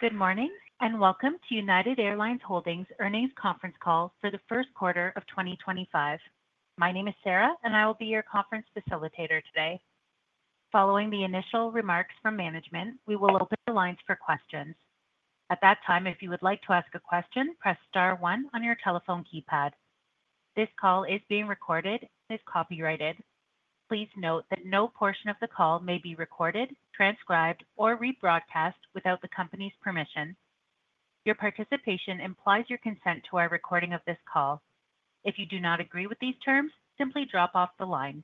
Good morning, and welcome to United Airlines Holdings' Earnings Conference Call for the First Quarter of 2025. My name is Sarah, and I will be your conference facilitator today. Following the initial remarks from management, we will open the lines for questions. At that time, if you would like to ask a question, press star one on your telephone keypad. This call is being recorded and is copyrighted. Please note that no portion of the call may be recorded, transcribed, or rebroadcast without the company's permission. Your participation implies your consent to our recording of this call. If you do not agree with these terms, simply drop off the line.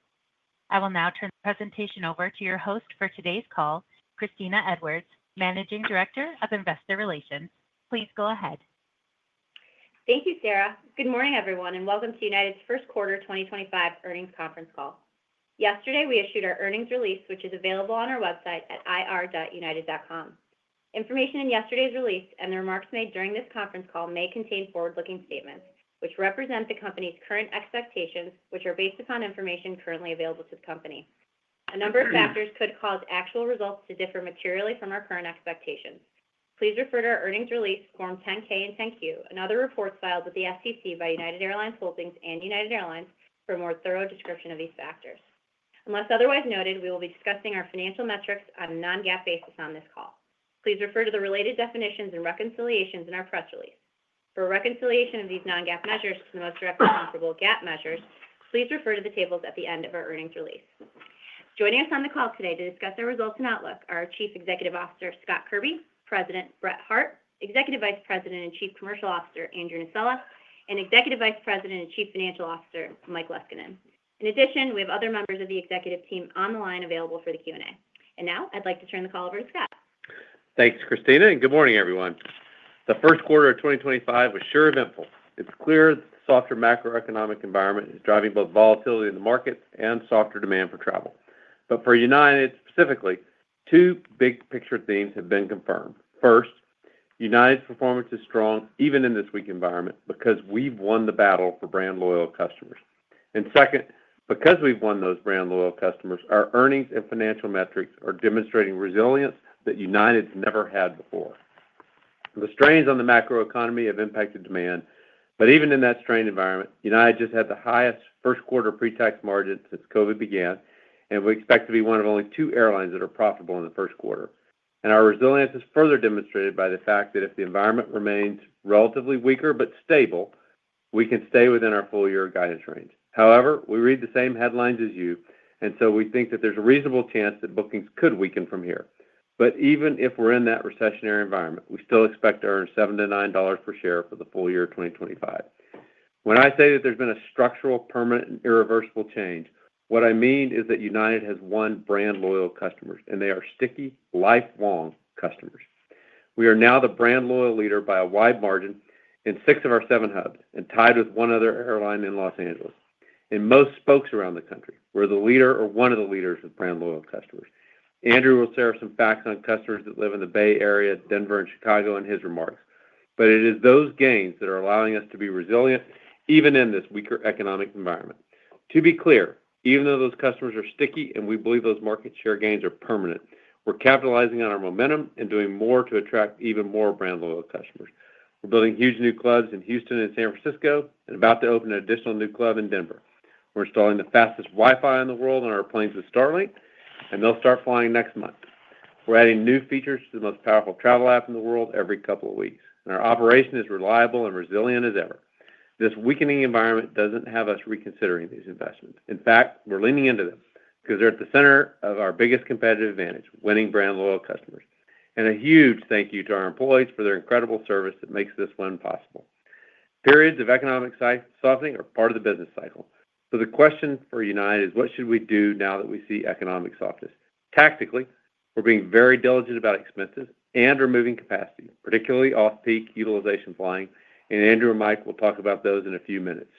I will now turn the presentation over to your host for today's call, Kristina Edwards, Managing Director of Investor Relations. Please go ahead. Thank you, Sarah. Good morning, everyone, and welcome to United's First Quarter 2025 Earnings Conference Call. Yesterday, we issued our earnings release, which is available on our website at ir.united.com. Information in yesterday's release and the remarks made during this conference call may contain forward-looking statements which represent the company's current expectations, which are based upon information currently available to the company. A number of factors could cause actual results to differ materially from our current expectations. Please refer to our earnings release, Form 10-K and 10-Q, and other reports filed with the SEC by United Airlines Holdings and United Airlines for a more thorough description of these factors. Unless otherwise noted, we will be discussing our financial metrics on a non-GAAP basis on this call. Please refer to the related definitions and reconciliations in our press release. For reconciliation of these non-GAAP measures to the most directly comparable GAAP measures, please refer to the tables at the end of our earnings release. Joining us on the call today to discuss our results and outlook are our Chief Executive Officer, Scott Kirby; President, Brett Hart; Executive Vice President and Chief Commercial Officer, Andrew Nocella; and Executive Vice President and Chief Financial Officer, Mike Leskinen. In addition, we have other members of the executive team on the line available for the Q&A. I would like to turn the call over to Scott. Thanks, Kristina. Good morning, everyone. The first quarter of 2025 was short of info. It's clear that the softer macroeconomic environment is driving both volatility in the markets and softer demand for travel. For United specifically, two big-picture themes have been confirmed. First, United's performance is strong even in this weak environment because we've won the battle for brand-loyal customers. Second, because we've won those brand-loyal customers, our earnings and financial metrics are demonstrating resilience that United's never had before. The strains on the macroeconomy have impacted demand, but even in that strained environment, United just had the highest first-quarter pre-tax margin since COVID began, and we expect to be one of only two airlines that are profitable in the first quarter. Our resilience is further demonstrated by the fact that if the environment remains relatively weaker but stable, we can stay within our full-year guidance range. However, we read the same headlines as you, and we think that there's a reasonable chance that bookings could weaken from here. Even if we're in that recessionary environment, we still expect to earn $7-$9 per share for the full year of 2025. When I say that there's been a structural, permanent, and irreversible change, what I mean is that United has won brand-loyal customers, and they are sticky, lifelong customers. We are now the brand-loyal leader by a wide margin in six of our seven hubs and tied with one other airline in Los Angeles. In most spokes around the country, we're the leader or one of the leaders with brand-loyal customers. Andrew will share some facts on customers that live in the Bay Area, Denver, and Chicago in his remarks, but it is those gains that are allowing us to be resilient even in this weaker economic environment. To be clear, even though those customers are sticky and we believe those market share gains are permanent, we're capitalizing on our momentum and doing more to attract even more brand-loyal customers. We're building huge new clubs in Houston and San Francisco and about to open an additional new club in Denver. We're installing the fastest Wi-Fi in the world on our planes with Starlink, and they'll start flying next month. We're adding new features to the most powerful travel app in the world every couple of weeks, and our operation is reliable and resilient as ever. This weakening environment doesn't have us reconsidering these investments. In fact, we're leaning into them because they're at the center of our biggest competitive advantage, winning brand-loyal customers. A huge thank you to our employees for their incredible service that makes this win possible. Periods of economic softening are part of the business cycle. The question for United is, what should we do now that we see economic softness? Tactically, we're being very diligent about expenses and removing capacity, particularly off-peak utilization flying, and Andrew and Mike will talk about those in a few minutes.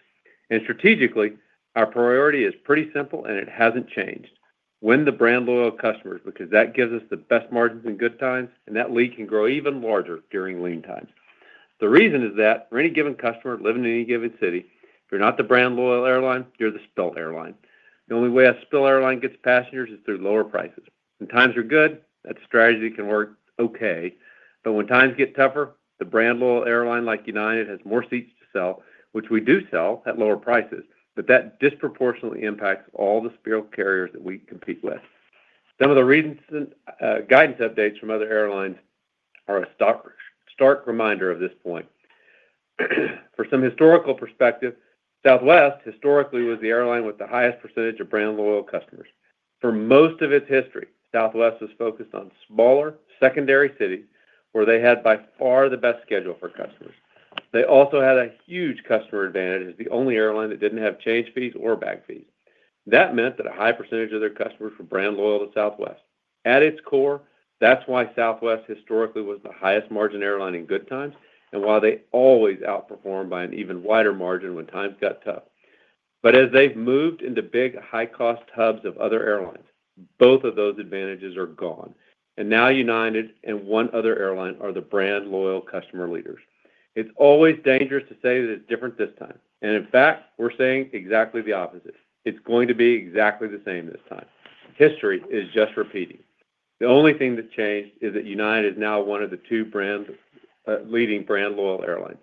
Strategically, our priority is pretty simple, and it hasn't changed: win the brand-loyal customers because that gives us the best margins in good times, and that lead can grow even larger during lean times. The reason is that for any given customer living in any given city, if you're not the brand-loyal airline, you're the spill airline. The only way a spill airline gets passengers is through lower prices. When times are good, that strategy can work okay, but when times get tougher, the brand-loyal airline like United has more seats to sell, which we do sell at lower prices, but that disproportionately impacts all the spirit carriers that we compete with. Some of the recent guidance updates from other airlines are a stark reminder of this point. For some historical perspective, Southwest historically was the airline with the highest percentage of brand-loyal customers. For most of its history, Southwest was focused on smaller, secondary cities where they had by far the best schedule for customers. They also had a huge customer advantage as the only airline that did not have change fees or bag fees. That meant that a high percentage of their customers were brand-loyal to Southwest. At its core, that's why Southwest historically was the highest margin airline in good times and why they always outperformed by an even wider margin when times got tough. As they've moved into big, high-cost hubs of other airlines, both of those advantages are gone, and now United and one other airline are the brand-loyal customer leaders. It's always dangerous to say that it's different this time, and in fact, we're saying exactly the opposite. It's going to be exactly the same this time. History is just repeating. The only thing that's changed is that United is now one of the two leading brand-loyal airlines.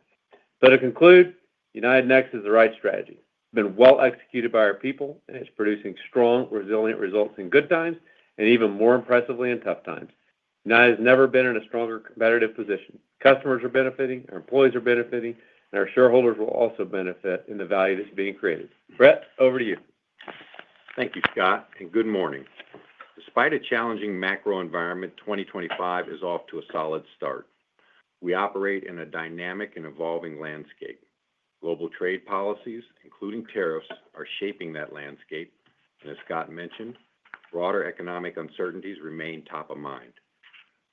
To conclude, United Next is the right strategy. It's been well executed by our people, and it's producing strong, resilient results in good times and even more impressively in tough times. United has never been in a stronger competitive position. Customers are benefiting, our employees are benefiting, and our shareholders will also benefit in the value that's being created. Brett, over to you. Thank you, Scott, and good morning. Despite a challenging macro environment, 2025 is off to a solid start. We operate in a dynamic and evolving landscape. Global trade policies, including tariffs, are shaping that landscape, and as Scott mentioned, broader economic uncertainties remain top of mind.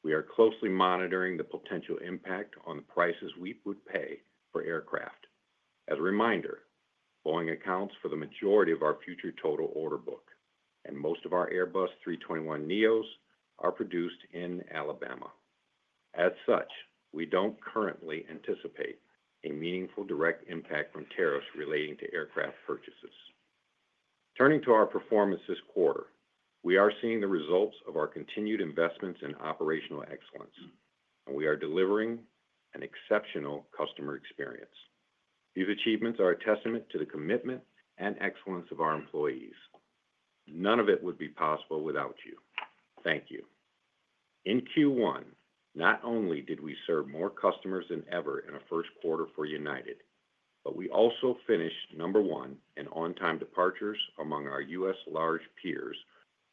We are closely monitoring the potential impact on the prices we would pay for aircraft. As a reminder, Boeing accounts for the majority of our future total order book, and most of our Airbus A321neos are produced in Alabama. As such, we do not currently anticipate a meaningful direct impact from tariffs relating to aircraft purchases. Turning to our performance this quarter, we are seeing the results of our continued investments in operational excellence, and we are delivering an exceptional customer experience. These achievements are a testament to the commitment and excellence of our employees. None of it would be possible without you. Thank you. In Q1, not only did we serve more customers than ever in a first quarter for United, but we also finished number one in on-time departures among our U.S. large peers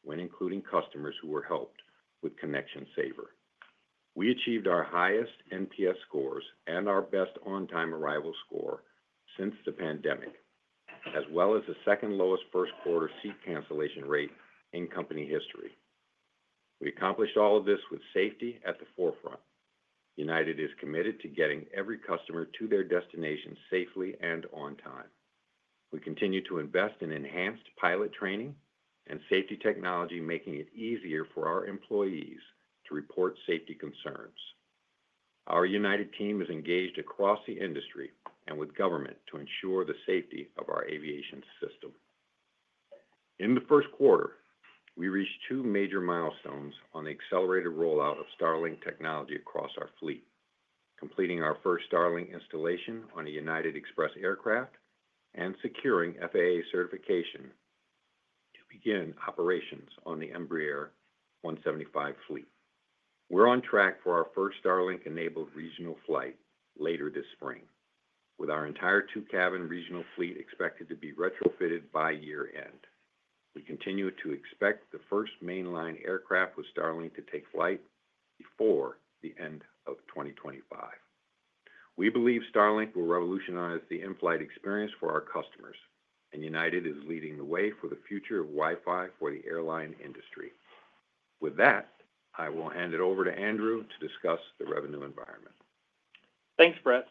when including customers who were helped with Connection Saver. We achieved our highest NPS scores and our best on-time arrival score since the pandemic, as well as the second lowest first-quarter seat cancellation rate in company history. We accomplished all of this with safety at the forefront. United is committed to getting every customer to their destination safely and on time. We continue to invest in enhanced pilot training and safety technology, making it easier for our employees to report safety concerns. Our United team is engaged across the industry and with government to ensure the safety of our aviation system. In the first quarter, we reached two major milestones on the accelerated rollout of Starlink technology across our fleet, completing our first Starlink installation on a United Express aircraft and securing FAA certification to begin operations on the Embraer E175 fleet. We're on track for our first Starlink-enabled regional flight later this spring, with our entire two-cabin regional fleet expected to be retrofitted by year-end. We continue to expect the first mainline aircraft with Starlink to take flight before the end of 2025. We believe Starlink will revolutionize the in-flight experience for our customers, and United is leading the way for the future of Wi-Fi for the airline industry. With that, I will hand it over to Andrew to discuss the revenue environment. Thanks, Brett.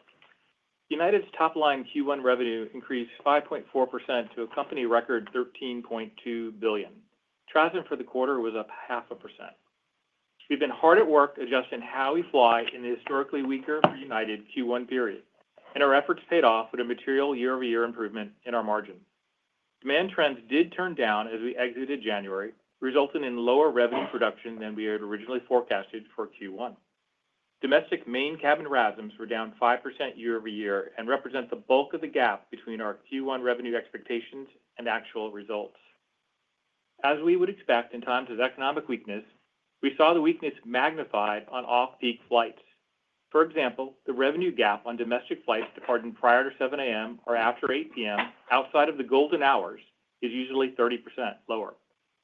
United's top-line Q1 revenue increased 5.4% to a company record $13.2 billion. TRASM for the quarter was up 0.5%. We've been hard at work adjusting how we fly in the historically weaker for United Q1 period, and our efforts paid-off with a material year-over-year improvement in our margin. Demand trends did turn down as we exited January, resulting in lower revenue production than we had originally forecasted for Q1. Domestic main cabin RASM were down 5% year-over-year and represent the bulk of the gap between our Q1 revenue expectations and actual results. As we would expect in times of economic weakness, we saw the weakness magnified on off-peak flights. For example, the revenue gap on domestic flights departing prior to 7:00 A.M. or after 8:00 P.M. outside of the golden hours is usually 30% lower.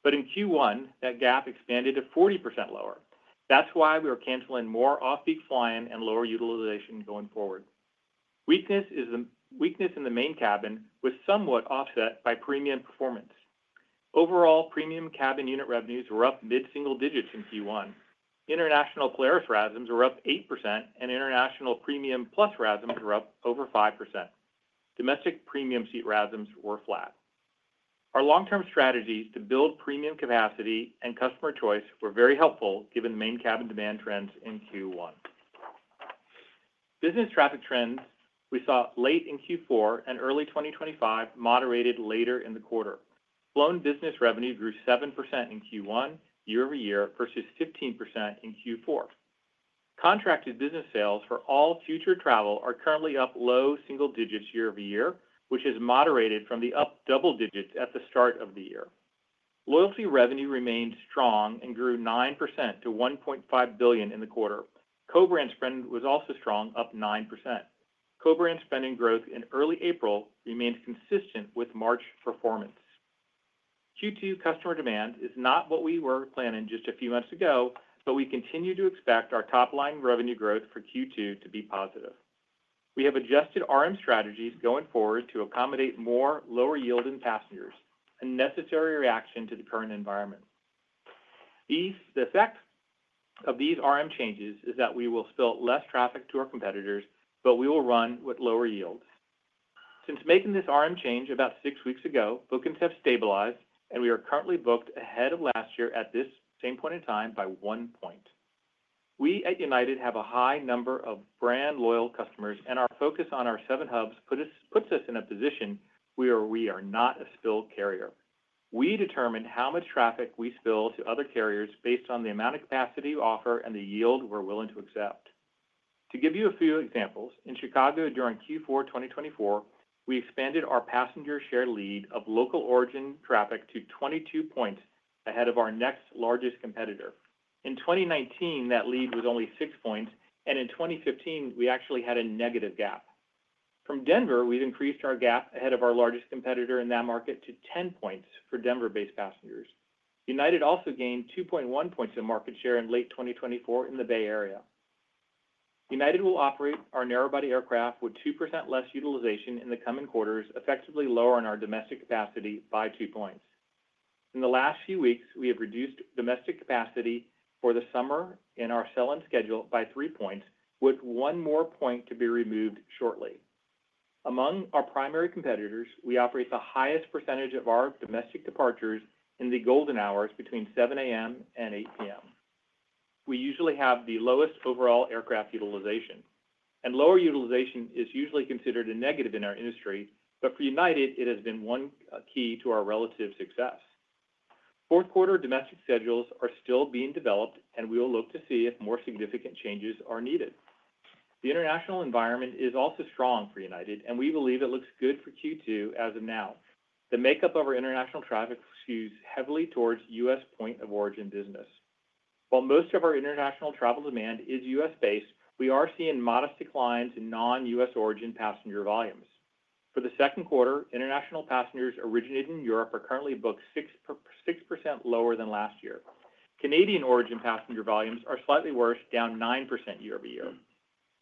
In Q1, that gap expanded to 40% lower. That's why we are canceling more off-peak flying and lower utilization going forward. Weakness in the main cabin was somewhat offset by premium performance. Overall, premium cabin unit revenues were up mid-single digits in Q1. International Polaris RASM was up 8%, and international Premium Plus RASM was up over 5%. Domestic premium seat RASM was flat. Our long-term strategies to build premium capacity and customer choice were very helpful given main cabin demand trends in Q1. Business traffic trends we saw late in Q4 and early 2024 moderated later in the quarter. Flown business revenue grew 7% in Q1 year-over-year versus 15% in Q4. Contracted business sales for all future travel are currently up low single digits year-over-year, which has moderated from the up double digits at the start of the year. Loyalty revenue remained strong and grew 9% to $1.5 billion in the quarter. Co-branded spend was also strong, up 9%. Co-branded spending growth in early April remained consistent with March performance. Q2 customer demand is not what we were planning just a few months ago, but we continue to expect our top-line revenue growth for Q2 to be positive. We have adjusted RM strategies going forward to accommodate more lower-yielding passengers, a necessary reaction to the current environment. The effect of these RM changes is that we will spill less traffic to our competitors, but we will run with lower yields. Since making this RM change about six weeks ago, bookings have stabilized, and we are currently booked ahead of last year at this same point in time by one point. We at United have a high number of brand-loyal customers, and our focus on our seven hubs puts us in a position where we are not a spill carrier. We determine how much traffic we spill to other carriers based on the amount of capacity we offer and the yield we're willing to accept. To give you a few examples, in Chicago during Q4 2024, we expanded our passenger share lead of local origin traffic to 22 points ahead of our next largest competitor. In 2019, that lead was only 6 points, and in 2015, we actually had a negative gap. From Denver, we've increased our gap ahead of our largest competitor in that market to 10 points for Denver-based passengers. United also gained 2.1 points of market share in late 2024 in the Bay Area. United will operate our narrowbody aircraft with 2% less utilization in the coming quarters, effectively lowering our domestic capacity by 2 points. In the last few weeks, we have reduced domestic capacity for the summer in our sell-in schedule by 3 percentage points, with one more point to be removed shortly. Among our primary competitors, we operate the highest percentage of our domestic departures in the golden hours between 7:00 A.M. and 8:00 P.M. We usually have the lowest overall aircraft utilization, and lower utilization is usually considered a negative in our industry, but for United, it has been one key to our relative success. Fourth quarter domestic schedules are still being developed, and we will look to see if more significant changes are needed. The international environment is also strong for United, and we believe it looks good for Q2 as of now. The makeup of our international traffic skews heavily towards U.S. point-of-origin business. While most of our international travel demand is U.S.-based, we are seeing modest declines in non-U.S. Origin passenger volumes. For the second quarter, international passengers originating in Europe are currently booked 6% lower than last year. Canadian origin passenger volumes are slightly worse, down 9% year-over-year.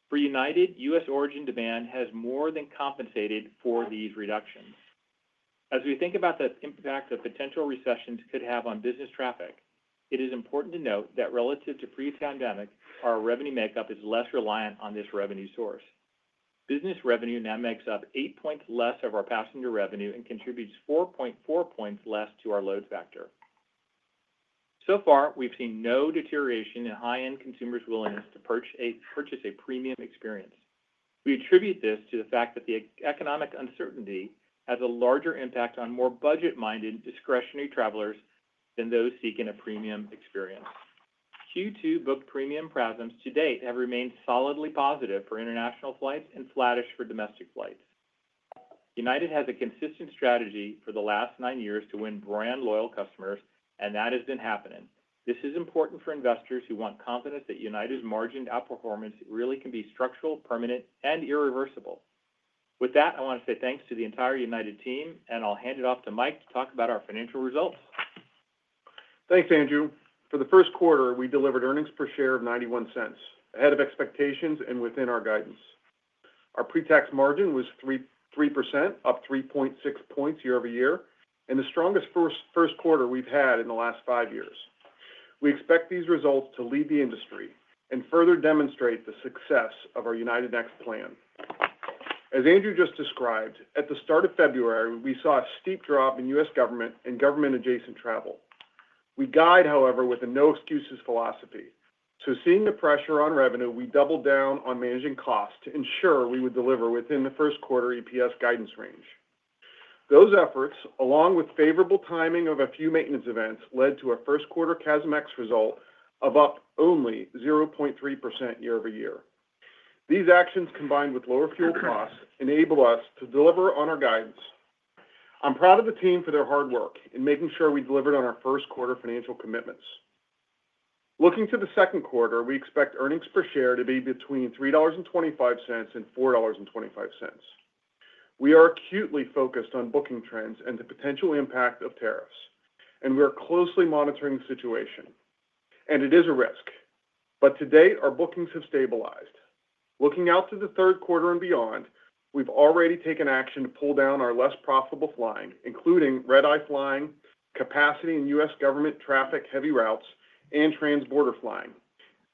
For United, U.S. origin demand has more than compensated for these reductions. As we think about the impact that potential recessions could have on business traffic, it is important to note that relative to pre-pandemic, our revenue makeup is less reliant on this revenue source. Business revenue now makes up 8 points less of our passenger revenue and contributes 4.4 points less to our load factor. So far, we've seen no deterioration in high-end consumers' willingness to purchase a premium experience. We attribute this to the fact that the economic uncertainty has a larger impact on more budget-minded discretionary travelers than those seeking a premium experience. Q2 booked premium RASM to date have remained solidly positive for international flights and flattish for domestic flights. United has a consistent strategy for the last nine years to win brand-loyal customers, and that has been happening. This is important for investors who want confidence that United's margin outperformance really can be structural, permanent, and irreversible. With that, I want to say thanks to the entire United team, and I'll hand it off to Mike to talk about our financial results. Thanks, Andrew. For the first quarter, we delivered earnings per share of $0.91, ahead of expectations and within our guidance. Our pre-tax margin was 3%, up 3.6 percentage points year-over-year, and the strongest first quarter we have had in the last five years. We expect these results to lead the industry and further demonstrate the success of our United Next plan. As Andrew just described, at the start of February, we saw a steep drop in U.S. government and government-adjacent travel. We guide, however, with a no-excuses philosophy. Seeing the pressure on revenue, we doubled down on managing costs to ensure we would deliver within the first quarter EPS guidance range. Those efforts, along with favorable timing of a few maintenance events, led to a first quarter CASM result of up only 0.3% year-over-year. These actions, combined with lower fuel costs, enable us to deliver on our guidance. I'm proud of the team for their hard work in making sure we delivered on our first quarter financial commitments. Looking to the second quarter, we expect earnings per share to be between $3.25 and $4.25. We are acutely focused on booking trends and the potential impact of tariffs, and we are closely monitoring the situation. It is a risk, but to date, our bookings have stabilized. Looking out to the third quarter and beyond, we've already taken action to pull down our less profitable flying, including red-eye flying, capacity in U.S. government traffic-heavy routes, and trans-border flying,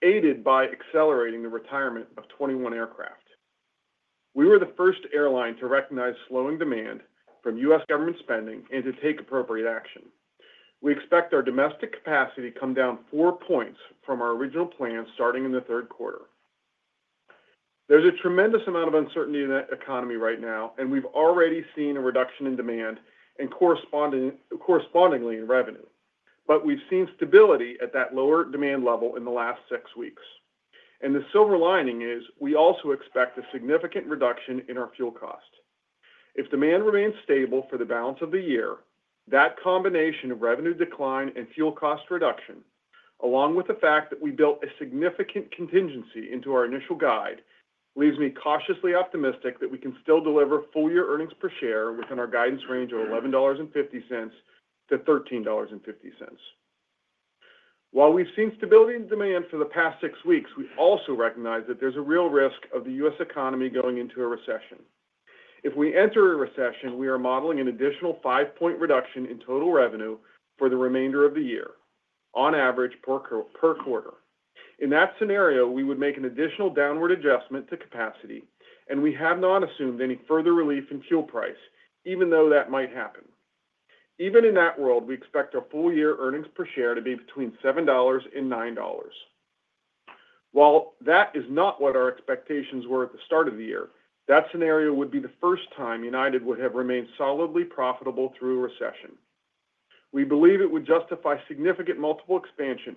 aided by accelerating the retirement of 21 aircraft. We were the first airline to recognize slowing demand from U.S. government spending and to take appropriate action. We expect our domestic capacity to come down 4 points from our original plan starting in the third quarter. is a tremendous amount of uncertainty in the economy right now, and we have already seen a reduction in demand and correspondingly in revenue, but we have seen stability at that lower demand level in the last six weeks. The silver lining is we also expect a significant reduction in our fuel cost. If demand remains stable for the balance of the year, that combination of revenue decline and fuel cost reduction, along with the fact that we built a significant contingency into our initial guide, leaves me cautiously optimistic that we can still deliver full-year earnings per share within our guidance range of $11.50-$13.50. While we have seen stability in demand for the past six weeks, we also recognize that there is a real risk of the U.S. economy going into a recession. If we enter a recession, we are modeling an additional five percentage point reduction in total revenue for the remainder of the year, on average per quarter. In that scenario, we would make an additional downward adjustment to capacity, and we have not assumed any further relief in fuel price, even though that might happen. Even in that world, we expect our full-year earnings per share to be between $7 and $9. While that is not what our expectations were at the start of the year, that scenario would be the first time United would have remained solidly profitable through a recession. We believe it would justify significant multiple expansion,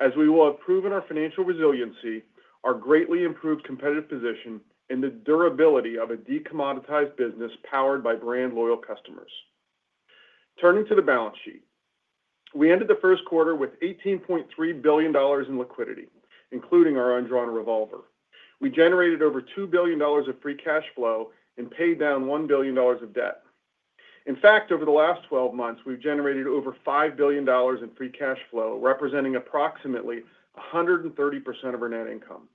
as we will have proven our financial resiliency, our greatly improved competitive position, and the durability of a decommoditized business powered by brand-loyal customers. Turning to the balance sheet, we ended the first quarter with $18.3 billion in liquidity, including our undrawn revolver. We generated over $2 billion of free cash flow and paid down $1 billion of debt. In fact, over the last 12 months, we've generated over $5 billion in free cash flow, representing approximately 130% of our net income.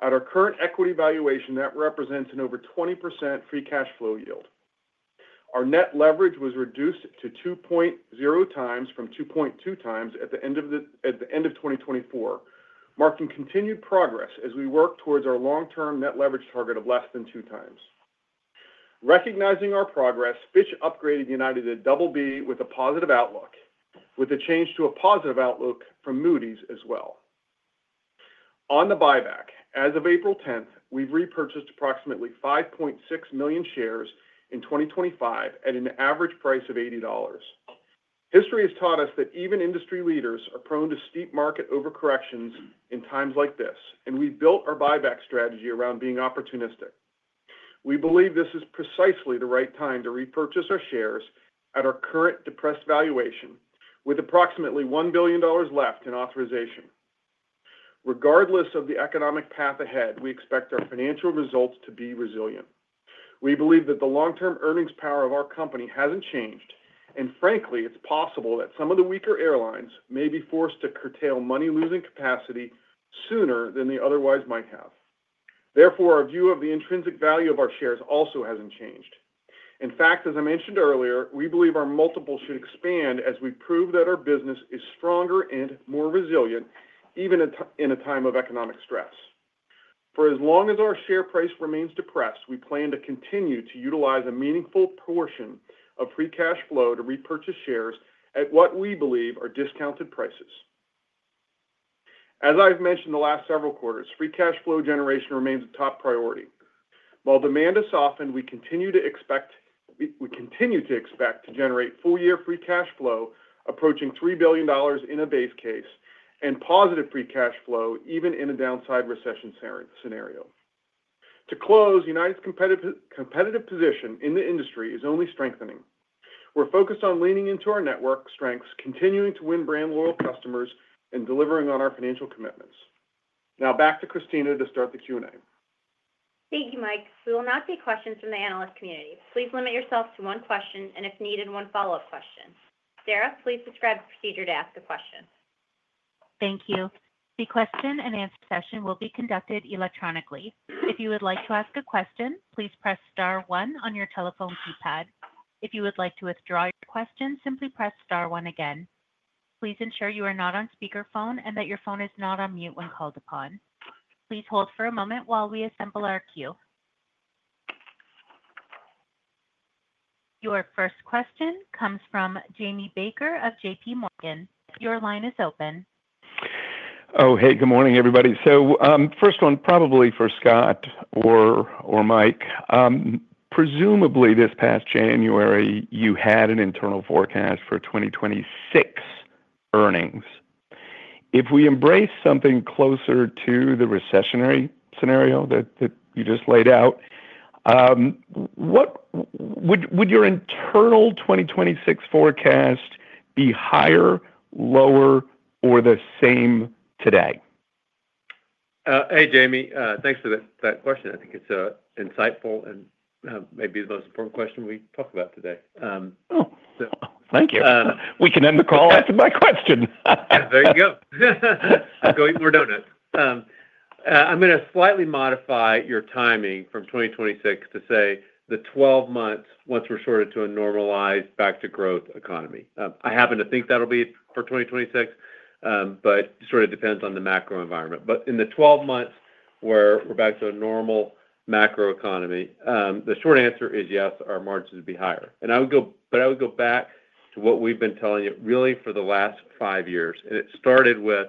At our current equity valuation, that represents an over 20% free cash flow yield. Our net leverage was reduced to 2.0 times from 2.2 times at the end of 2024, marking continued progress as we work towards our long-term net leverage target of less than two times. Recognizing our progress, Fitch upgraded United to BB with a positive outlook, with a change to a positive outlook from Moody's as well. On the buyback, as of April 10, we've repurchased approximately 5.6 million shares in 2025 at an average price of $80. History has taught us that even industry leaders are prone to steep market overcorrections in times like this, and we've built our buyback strategy around being opportunistic. We believe this is precisely the right time to repurchase our shares at our current depressed valuation, with approximately $1 billion left in authorization. Regardless of the economic path ahead, we expect our financial results to be resilient. We believe that the long-term earnings power of our company hasn't changed, and frankly, it's possible that some of the weaker airlines may be forced to curtail money-losing capacity sooner than they otherwise might have. Therefore, our view of the intrinsic value of our shares also hasn't changed. In fact, as I mentioned earlier, we believe our multiples should expand as we prove that our business is stronger and more resilient even in a time of economic stress. For as long as our share price remains depressed, we plan to continue to utilize a meaningful portion of free cash flow to repurchase shares at what we believe are discounted prices. As I've mentioned the last several quarters, free cash flow generation remains a top priority. While demand has softened, we continue to expect to generate full-year free cash flow approaching $3 billion in a base case and positive free cash flow even in a downside recession scenario. To close, United's competitive position in the industry is only strengthening. We're focused on leaning into our network strengths, continuing to win brand-loyal customers, and delivering on our financial commitments. Now, back to Kristina to start the Q&A. Thank you, Mike. We will now take questions from the analyst community. Please limit yourself to one question and, if needed, one follow-up question. Sarah, please describe the procedure to ask a question. Thank you. The question-and-answer session will be conducted electronically. If you would like to ask a question, please press star 1 on your telephone keypad. If you would like to withdraw your question, simply press star 1 again. Please ensure you are not on speakerphone and that your phone is not on mute when called upon. Please hold for a moment while we assemble our queue. Your first question comes from Jamie Baker of JPMorgan. Your line is open. Oh, hey, good morning, everybody. First one, probably for Scott or Mike. Presumably, this past January, you had an internal forecast for 2026 earnings. If we embrace something closer to the recessionary scenario that you just laid out, would your internal 2026 forecast be higher, lower, or the same today? Hey, Jamie. Thanks for that question. I think it's insightful and maybe the most important question we talk about today. Oh, thank you. We can end the call after my question. There you go. I'm going to eat more donuts. I'm going to slightly modify your timing from 2026 to say the 12 months once we're sort of to a normalized back-to-growth economy. I happen to think that'll be for 2026, but it sort of depends on the macro environment. In the 12 months where we're back to a normal macro economy, the short answer is yes, our margins would be higher. I would go back to what we've been telling you really for the last five years. It started with,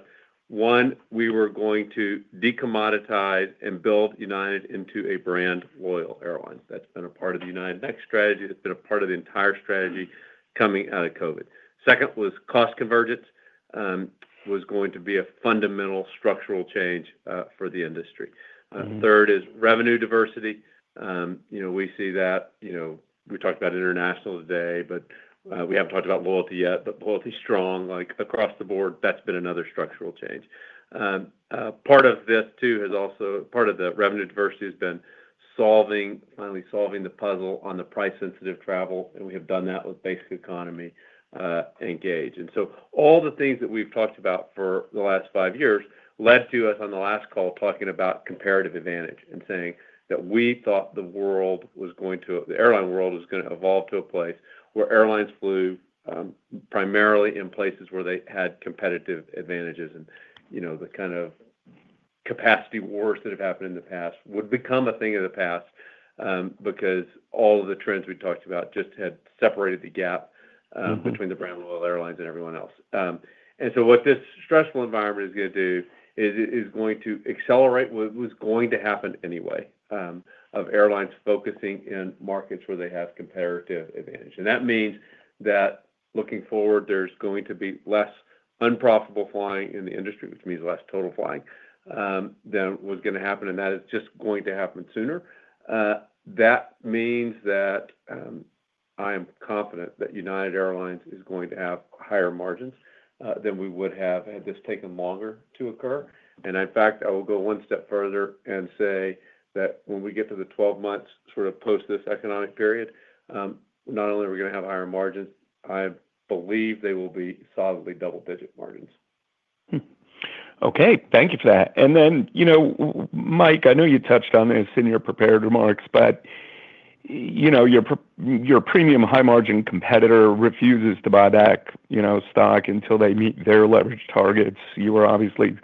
one, we were going to decommoditize and build United into a brand-loyal airline. That's been a part of the United Next strategy. That's been a part of the entire strategy coming out of COVID. Second was cost convergence was going to be a fundamental structural change for the industry. Third is revenue diversity. We see that we talked about international today, but we have not talked about loyalty yet, but loyalty is strong. Across the board, that has been another structural change. Part of this, too, has also part of the revenue diversity has been finally solving the puzzle on the price-sensitive travel, and we have done that with basic economy engaged. All the things that we have talked about for the last five years led to us on the last call talking about comparative advantage and saying that we thought the world was going to, the airline world was going to evolve to a place where airlines flew primarily in places where they had competitive advantages. The kind of capacity wars that have happened in the past would become a thing of the past because all of the trends we talked about just had separated the gap between the brand-loyal airlines and everyone else. What this stressful environment is going to do is going to accelerate what was going to happen anyway of airlines focusing in markets where they have comparative advantage. That means that looking forward, there's going to be less unprofitable flying in the industry, which means less total flying than was going to happen, and that is just going to happen sooner. That means that I am confident that United Airlines is going to have higher margins than we would have had this taken longer to occur. In fact, I will go one step further and say that when we get to the 12 months sort of post this economic period, not only are we going to have higher margins, I believe they will be solidly double-digit margins. Okay. Thank you for that. Mike, I know you touched on this in your prepared remarks, but your premium high-margin competitor refuses to buy back stock until they meet their leverage targets. You were obviously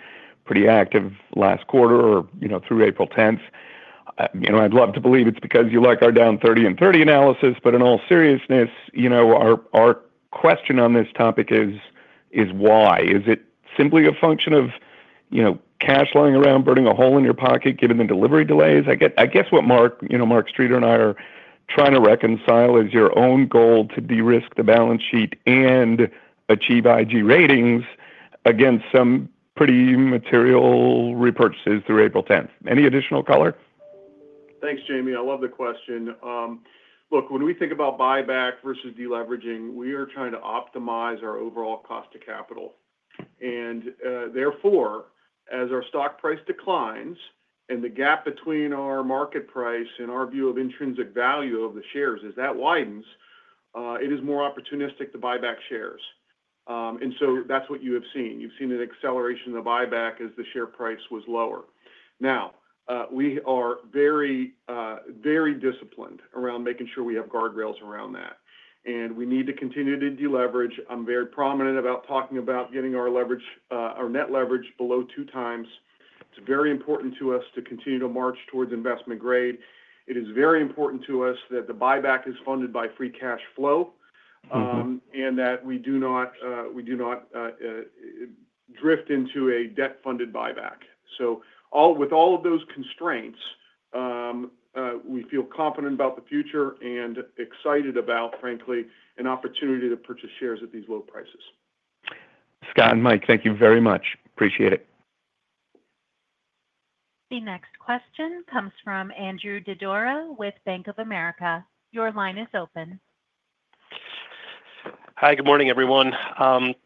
pretty active last quarter or through April 10th. I'd love to believe it's because you like our down 30 and 30 analysis, but in all seriousness, our question on this topic is why? Is it simply a function of cash lying around, burning a hole in your pocket, giving them delivery delays? I guess what Mark Streeter and I are trying to reconcile is your own goal to de-risk the balance sheet and achieve IG ratings against some pretty material repurchases through April 10th. Any additional color? Thanks, Jamie. I love the question. Look, when we think about buyback versus deleveraging, we are trying to optimize our overall cost of capital. Therefore, as our stock price declines and the gap between our market price and our view of intrinsic value of the shares as that widens, it is more opportunistic to buy back shares. That is what you have seen. You have seen an acceleration in the buyback as the share price was lower. Now, we are very, very disciplined around making sure we have guardrails around that. We need to continue to deleverage. I am very prominent about talking about getting our net leverage below two times. It is very important to us to continue to march towards investment grade. It is very important to us that the buyback is funded by free cash flow and that we do not drift into a debt-funded buyback. With all of those constraints, we feel confident about the future and excited about, frankly, an opportunity to purchase shares at these low prices. Scott and Mike, thank you very much. Appreciate it. The next question comes from Andrew Didora with Bank of America. Your line is open. Hi, good morning, everyone.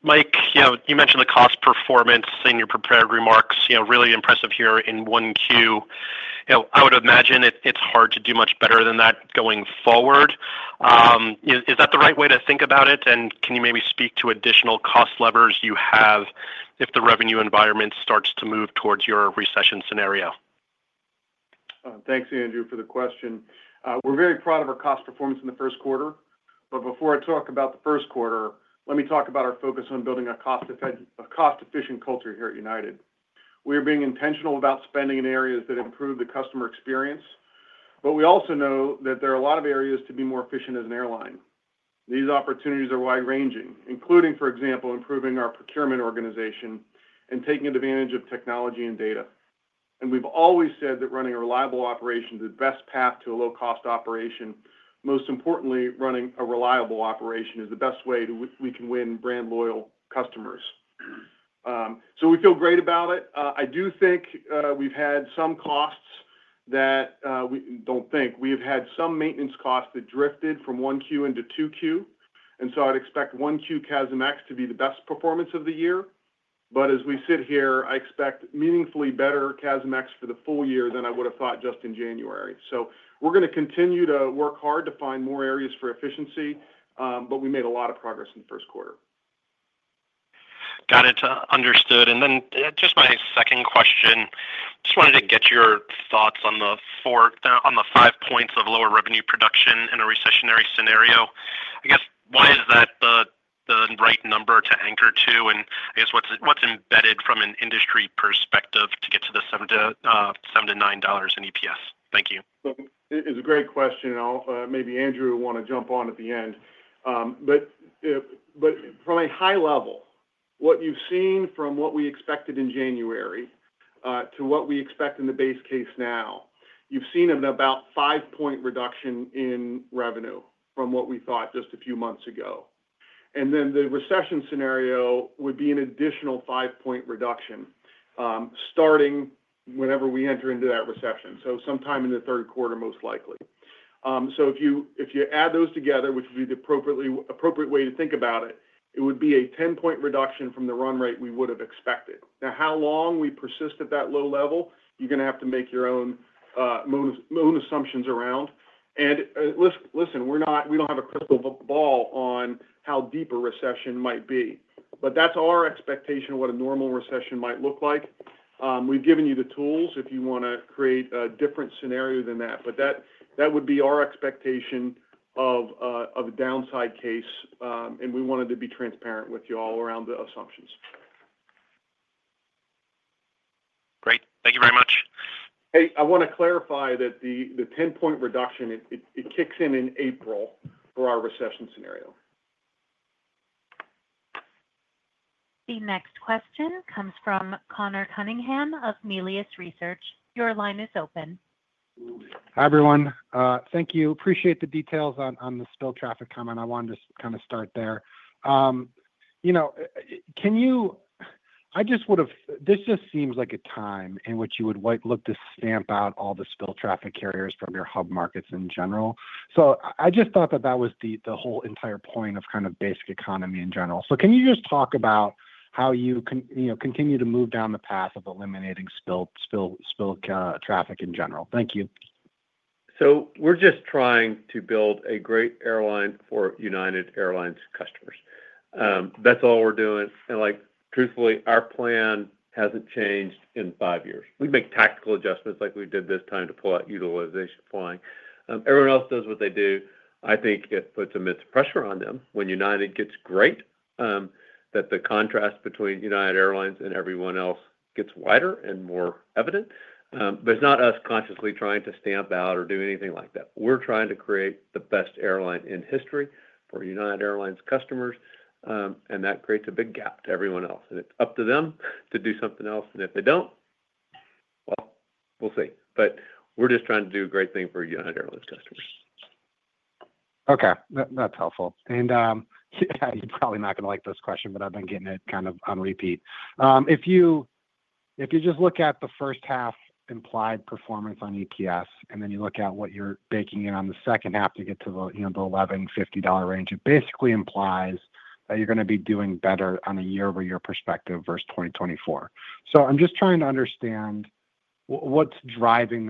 Mike, you mentioned the cost performance in your prepared remarks. Really impressive here in Q1. I would imagine it's hard to do much better than that going forward. Is that the right way to think about it? Can you maybe speak to additional cost levers you have if the revenue environment starts to move towards your recession scenario? Thanks, Andrew, for the question. We're very proud of our cost performance in the first quarter. Before I talk about the first quarter, let me talk about our focus on building a cost-efficient culture here at United. We are being intentional about spending in areas that improve the customer experience, but we also know that there are a lot of areas to be more efficient as an airline. These opportunities are wide-ranging, including, for example, improving our procurement organization and taking advantage of technology and data. We've always said that running a reliable operation is the best path to a low-cost operation. Most importantly, running a reliable operation is the best way we can win brand-loyal customers. We feel great about it. I do think we've had some costs that we don't think. We have had some maintenance costs that drifted from 1Q into 2Q. I'd expect 1Q CASM-ex to be the best performance of the year. As we sit here, I expect meaningfully better CASM-ex for the full year than I would have thought just in January. We're going to continue to work hard to find more areas for efficiency, but we made a lot of progress in the first quarter. Got it. Understood. Just my second question. Just wanted to get your thoughts on the five points of lower revenue production in a recessionary scenario. I guess, why is that the right number to anchor to? I guess what's embedded from an industry perspective to get to the $7-$9 in EPS? Thank you. It's a great question. Maybe Andrew will want to jump on at the end. From a high level, what you've seen from what we expected in January to what we expect in the base case now, you've seen about a five-point reduction in revenue from what we thought just a few months ago. The recession scenario would be an additional 5-point reduction starting whenever we enter into that recession, sometime in the third quarter, most likely. If you add those together, which would be the appropriate way to think about it, it would be a 10-point reduction from the run rate we would have expected. How long we persist at that low level, you're going to have to make your own assumptions around. Listen, we don't have a crystal ball on how deep a recession might be. That is our expectation of what a normal recession might look like. We have given you the tools if you want to create a different scenario than that. That would be our expectation of a downside case. We wanted to be transparent with you all around the assumptions. Great. Thank you very much. Hey, I want to clarify that the 10-point reduction, it kicks in in April for our recession scenario. The next question comes from Conor Cunningham of Melius Research. Your line is open. Hi, everyone. Thank you. Appreciate the details on the spill traffic comment. I wanted to kind of start there. I just would have this just seems like a time in which you would look to stamp out all the spill traffic carriers from your hub markets in general. I just thought that that was the whole entire point of kind of basic economy in general. Can you just talk about how you continue to move down the path of eliminating spill traffic in general? Thank you. We're just trying to build a great airline for United Airlines customers. That's all we're doing. Truthfully, our plan hasn't changed in five years. We make tactical adjustments like we did this time to pull out utilization flying. Everyone else does what they do. I think it puts immense pressure on them when United gets great, that the contrast between United Airlines and everyone else gets wider and more evident. It is not us consciously trying to stamp out or do anything like that. We're trying to create the best airline in history for United Airlines customers, and that creates a big gap to everyone else. It is up to them to do something else. If they don't, we'll see. We're just trying to do a great thing for United Airlines customers. Okay. That's helpful. You're probably not going to like this question, but I've been getting it kind of on repeat. If you just look at the first half implied performance on EPS, and then you look at what you're baking in on the second half to get to the $11.50 range, it basically implies that you're going to be doing better on a year-over-year perspective versus 2024. I'm just trying to understand what's driving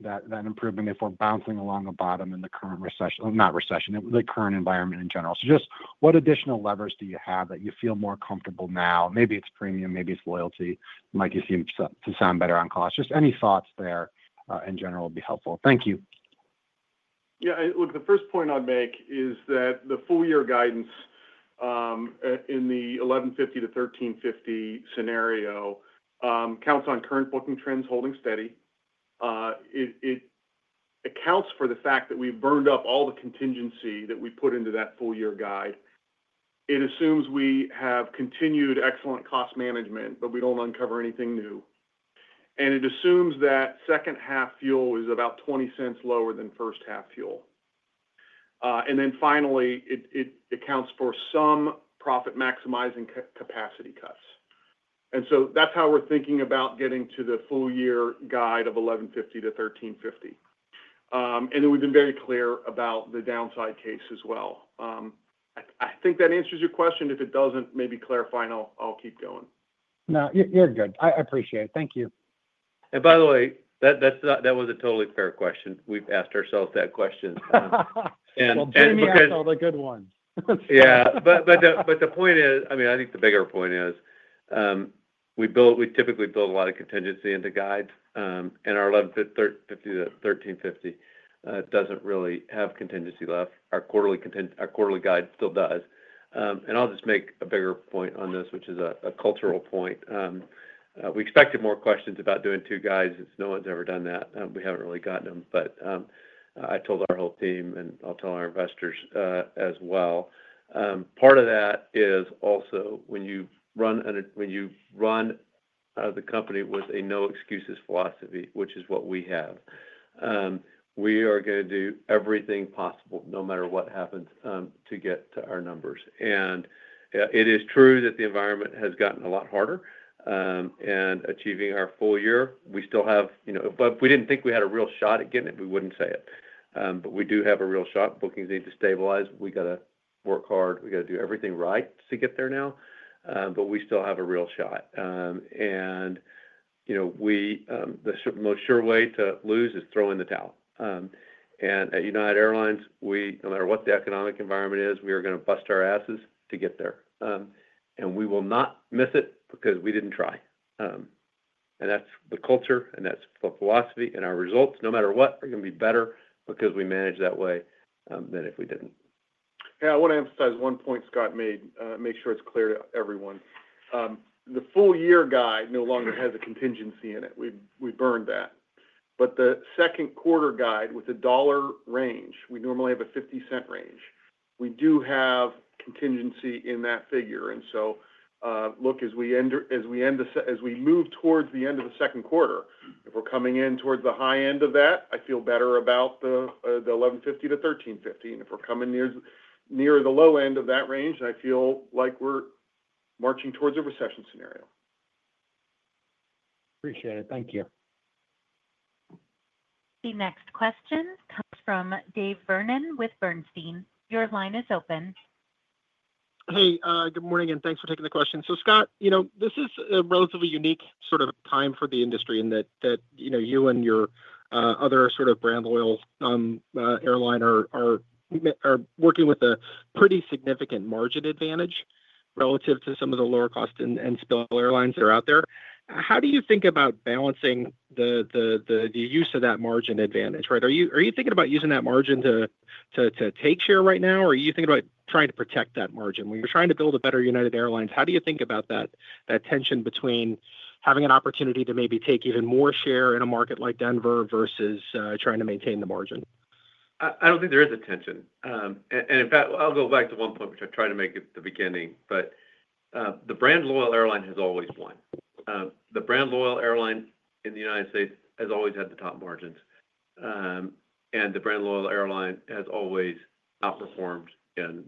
that improvement if we're bouncing along the bottom in the current recession, not recession, the current environment in general. Just what additional levers do you have that you feel more comfortable now? Maybe it's premium. Maybe it's loyalty. You seem to sound better on cost. Any thoughts there in general would be helpful. Thank you. Yeah. Look, the first point I'd make is that the full-year guidance in the $11.50-$13.50 scenario counts on current booking trends holding steady. It accounts for the fact that we've burned up all the contingency that we put into that full-year guide. It assumes we have continued excellent cost management, but we don't uncover anything new. It assumes that second-half fuel is about $0.20 lower than first-half fuel. Finally, it accounts for some profit-maximizing capacity cuts. That's how we're thinking about getting to the full-year guide of $11.50-$13.50. We've been very clear about the downside case as well. I think that answers your question. If it doesn't, maybe clarify, and I'll keep going. No, you're good. I appreciate it. Thank you. By the way, that was a totally fair question. We've asked ourselves that question. Jamie answered a good one. Yeah. The point is, I mean, I think the bigger point is we typically build a lot of contingency into guides. Our $11.50-$13.50 does not really have contingency left. Our quarterly guide still does. I will just make a bigger point on this, which is a cultural point. We expected more questions about doing two guides. No one's ever done that. We have not really gotten them. I told our whole team, and I will tell our investors as well. Part of that is also when you run the company with a no-excuses philosophy, which is what we have, we are going to do everything possible no matter what happens to get to our numbers. It is true that the environment has gotten a lot harder. Achieving our full year, we still have if we did not think we had a real shot at getting it, we would not say it. We do have a real shot. Bookings need to stabilize. We have to work hard. We have to do everything right to get there now. We still have a real shot. The most sure way to lose is throw in the towel. At United Airlines, no matter what the economic environment is, we are going to bust our asses to get there. We will not miss it because we did not try. That is the culture, and that is the philosophy. Our results, no matter what, are going to be better because we managed that way than if we did not. Yeah. I want to emphasize one point Scott made. Make sure it's clear to everyone. The full-year guide no longer has a contingency in it. We burned that. The second quarter guide with a dollar range, we normally have a 50-cent range. We do have contingency in that figure. Look, as we move towards the end of the second quarter, if we're coming in towards the high end of that, I feel better about the $11.50-$13.50. If we're coming near the low end of that range, I feel like we're marching towards a recession scenario. Appreciate it. Thank you. The next question comes from Dave Vernon with Bernstein. Your line is open. Hey, good morning, and thanks for taking the question. Scott, this is a relatively unique sort of time for the industry in that you and your other sort of brand-loyal airline are working with a pretty significant margin advantage relative to some of the lower-cost and spill airlines that are out there. How do you think about balancing the use of that margin advantage? Right? Are you thinking about using that margin to take share right now, or are you thinking about trying to protect that margin? When you're trying to build a better United Airlines, how do you think about that tension between having an opportunity to maybe take even more share in a market like Denver versus trying to maintain the margin? I don't think there is a tension. In fact, I'll go back to one point, which I tried to make at the beginning. The brand-loyal airline has always won. The brand-loyal airline in the U.S. has always had the top margins. The brand-loyal airline has always outperformed in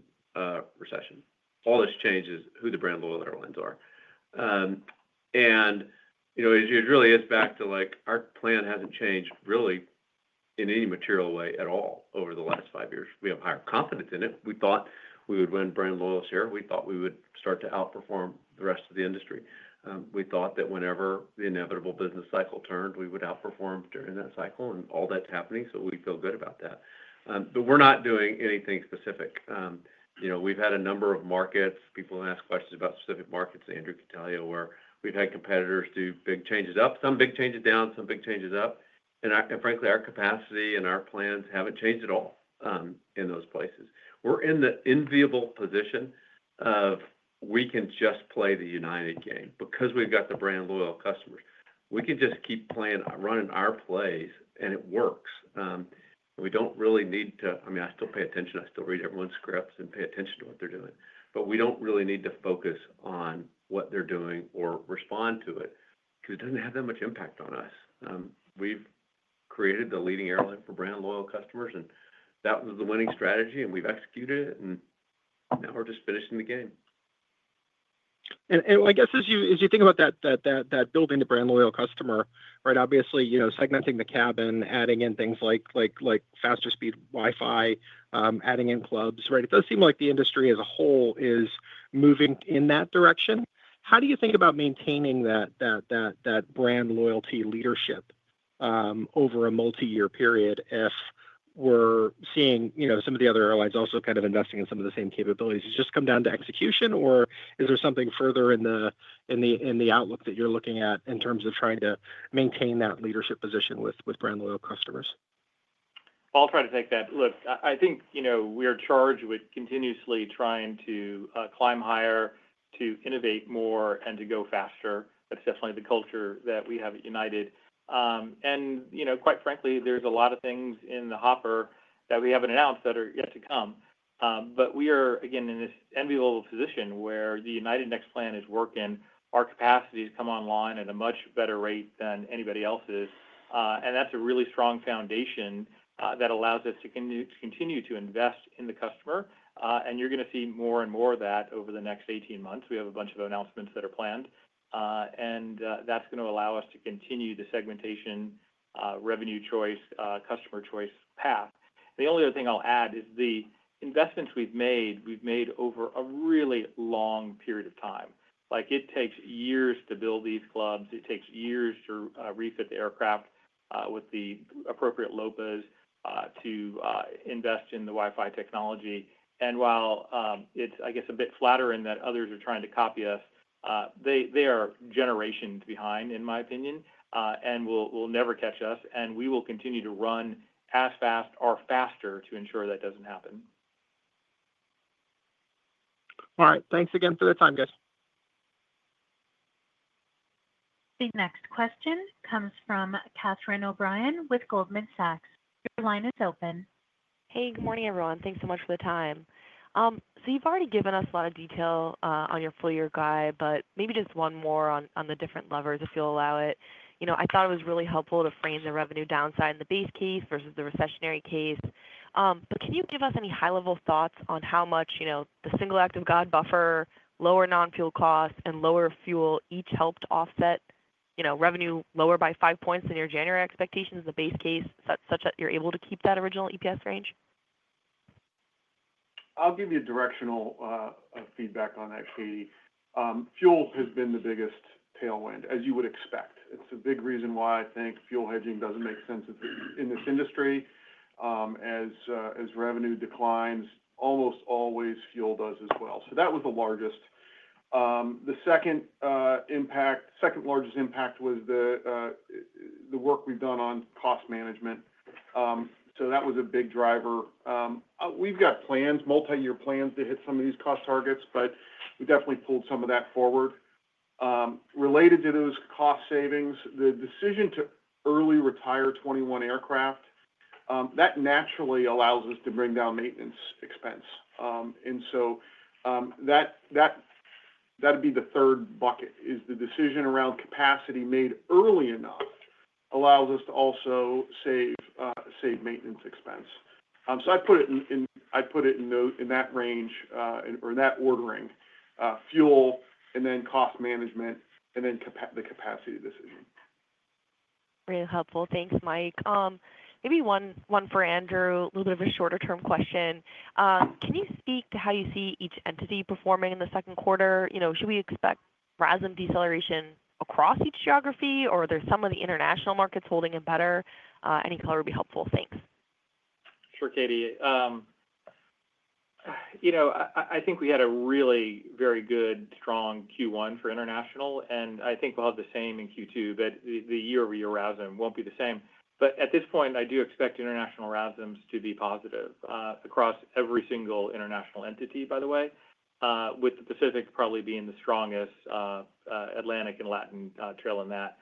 recession. All this changes who the brand-loyal airlines are. It really is back to our plan hasn't changed really in any material way at all over the last five years. We have higher confidence in it. We thought we would win brand-loyal share. We thought we would start to outperform the rest of the industry. We thought that whenever the inevitable business cycle turned, we would outperform during that cycle. All that's happening, so we feel good about that. We're not doing anything specific. We've had a number of markets. People ask questions about specific markets, Andrew could tell you, where we've had competitors do big changes up, some big changes down, some big changes up. Frankly, our capacity and our plans haven't changed at all in those places. We're in the enviable position of we can just play the United game because we've got the brand-loyal customers. We can just keep running our plays, and it works. We don't really need to, I mean, I still pay attention. I still read everyone's scripts and pay attention to what they're doing. We don't really need to focus on what they're doing or respond to it because it doesn't have that much impact on us. We've created the leading airline for brand-loyal customers, and that was the winning strategy, and we've executed it. Now we're just finishing the game. As you think about that building the brand-loyal customer, right, obviously segmenting the cabin, adding in things like faster-speed Wi-Fi, adding in clubs, right, it does seem like the industry as a whole is moving in that direction. How do you think about maintaining that brand loyalty leadership over a multi-year period if we're seeing some of the other airlines also kind of investing in some of the same capabilities? Does it just come down to execution, or is there something further in the outlook that you're looking at in terms of trying to maintain that leadership position with brand-loyal customers? I'll try to take that. Look, I think we are charged with continuously trying to climb higher, to innovate more, and to go faster. That is definitely the culture that we have at United. Quite frankly, there are a lot of things in the hopper that we have not announced that are yet to come. We are, again, in this enviable position where the United Next Plan is working. Our capacity has come online at a much better rate than anybody else's. That is a really strong foundation that allows us to continue to invest in the customer. You are going to see more and more of that over the next 18 months. We have a bunch of announcements that are planned. That is going to allow us to continue the segmentation, revenue choice, customer choice path. The only other thing I will add is the investments we have made. We've made over a really long period of time. It takes years to build these clubs. It takes years to refit the aircraft with the appropriate LOPAs to invest in the Wi-Fi technology. While it's, I guess, a bit flattering that others are trying to copy us, they are generations behind, in my opinion, and will never catch us. We will continue to run as fast or faster to ensure that does not happen. All right. Thanks again for the time, guys. The next question comes from Catherine O'Brien with Goldman Sachs. Your line is open. Hey, good morning, everyone. Thanks so much for the time. You've already given us a lot of detail on your full-year guide, but maybe just one more on the different levers, if you'll allow it. I thought it was really helpful to frame the revenue downside in the base case versus the recessionary case. Can you give us any high-level thoughts on how much the single-active guide buffer, lower non-fuel costs, and lower fuel each helped offset revenue lower by five points than your January expectations in the base case, such that you're able to keep that original EPS range? I'll give you directional feedback on that, Catie. Fuel has been the biggest tailwind, as you would expect. It's a big reason why I think fuel hedging doesn't make sense in this industry. As revenue declines, almost always fuel does as well. That was the largest. The second largest impact was the work we've done on cost management. That was a big driver. We've got plans, multi-year plans to hit some of these cost targets, but we definitely pulled some of that forward. Related to those cost savings, the decision to early retire 21 aircraft, that naturally allows us to bring down maintenance expense. That would be the third bucket, the decision around capacity made early enough allows us to also save maintenance expense. I'd put it in that range or in that ordering: fuel and then cost management and then the capacity decision. Really helpful. Thanks, Mike. Maybe one for Andrew, a little bit of a shorter-term question. Can you speak to how you see each entity performing in the second quarter? Should we expect RASM deceleration across each geography, or are there some of the international markets holding it better? Any color would be helpful. Thanks. Sure, Catie. I think we had a really very good, strong Q1 for international. I think we'll have the same in Q2, but the year-over-year RASM won't be the same. At this point, I do expect international RASMs to be positive across every single international entity, by the way, with the Pacific probably being the strongest, Atlantic and Latin trailing that.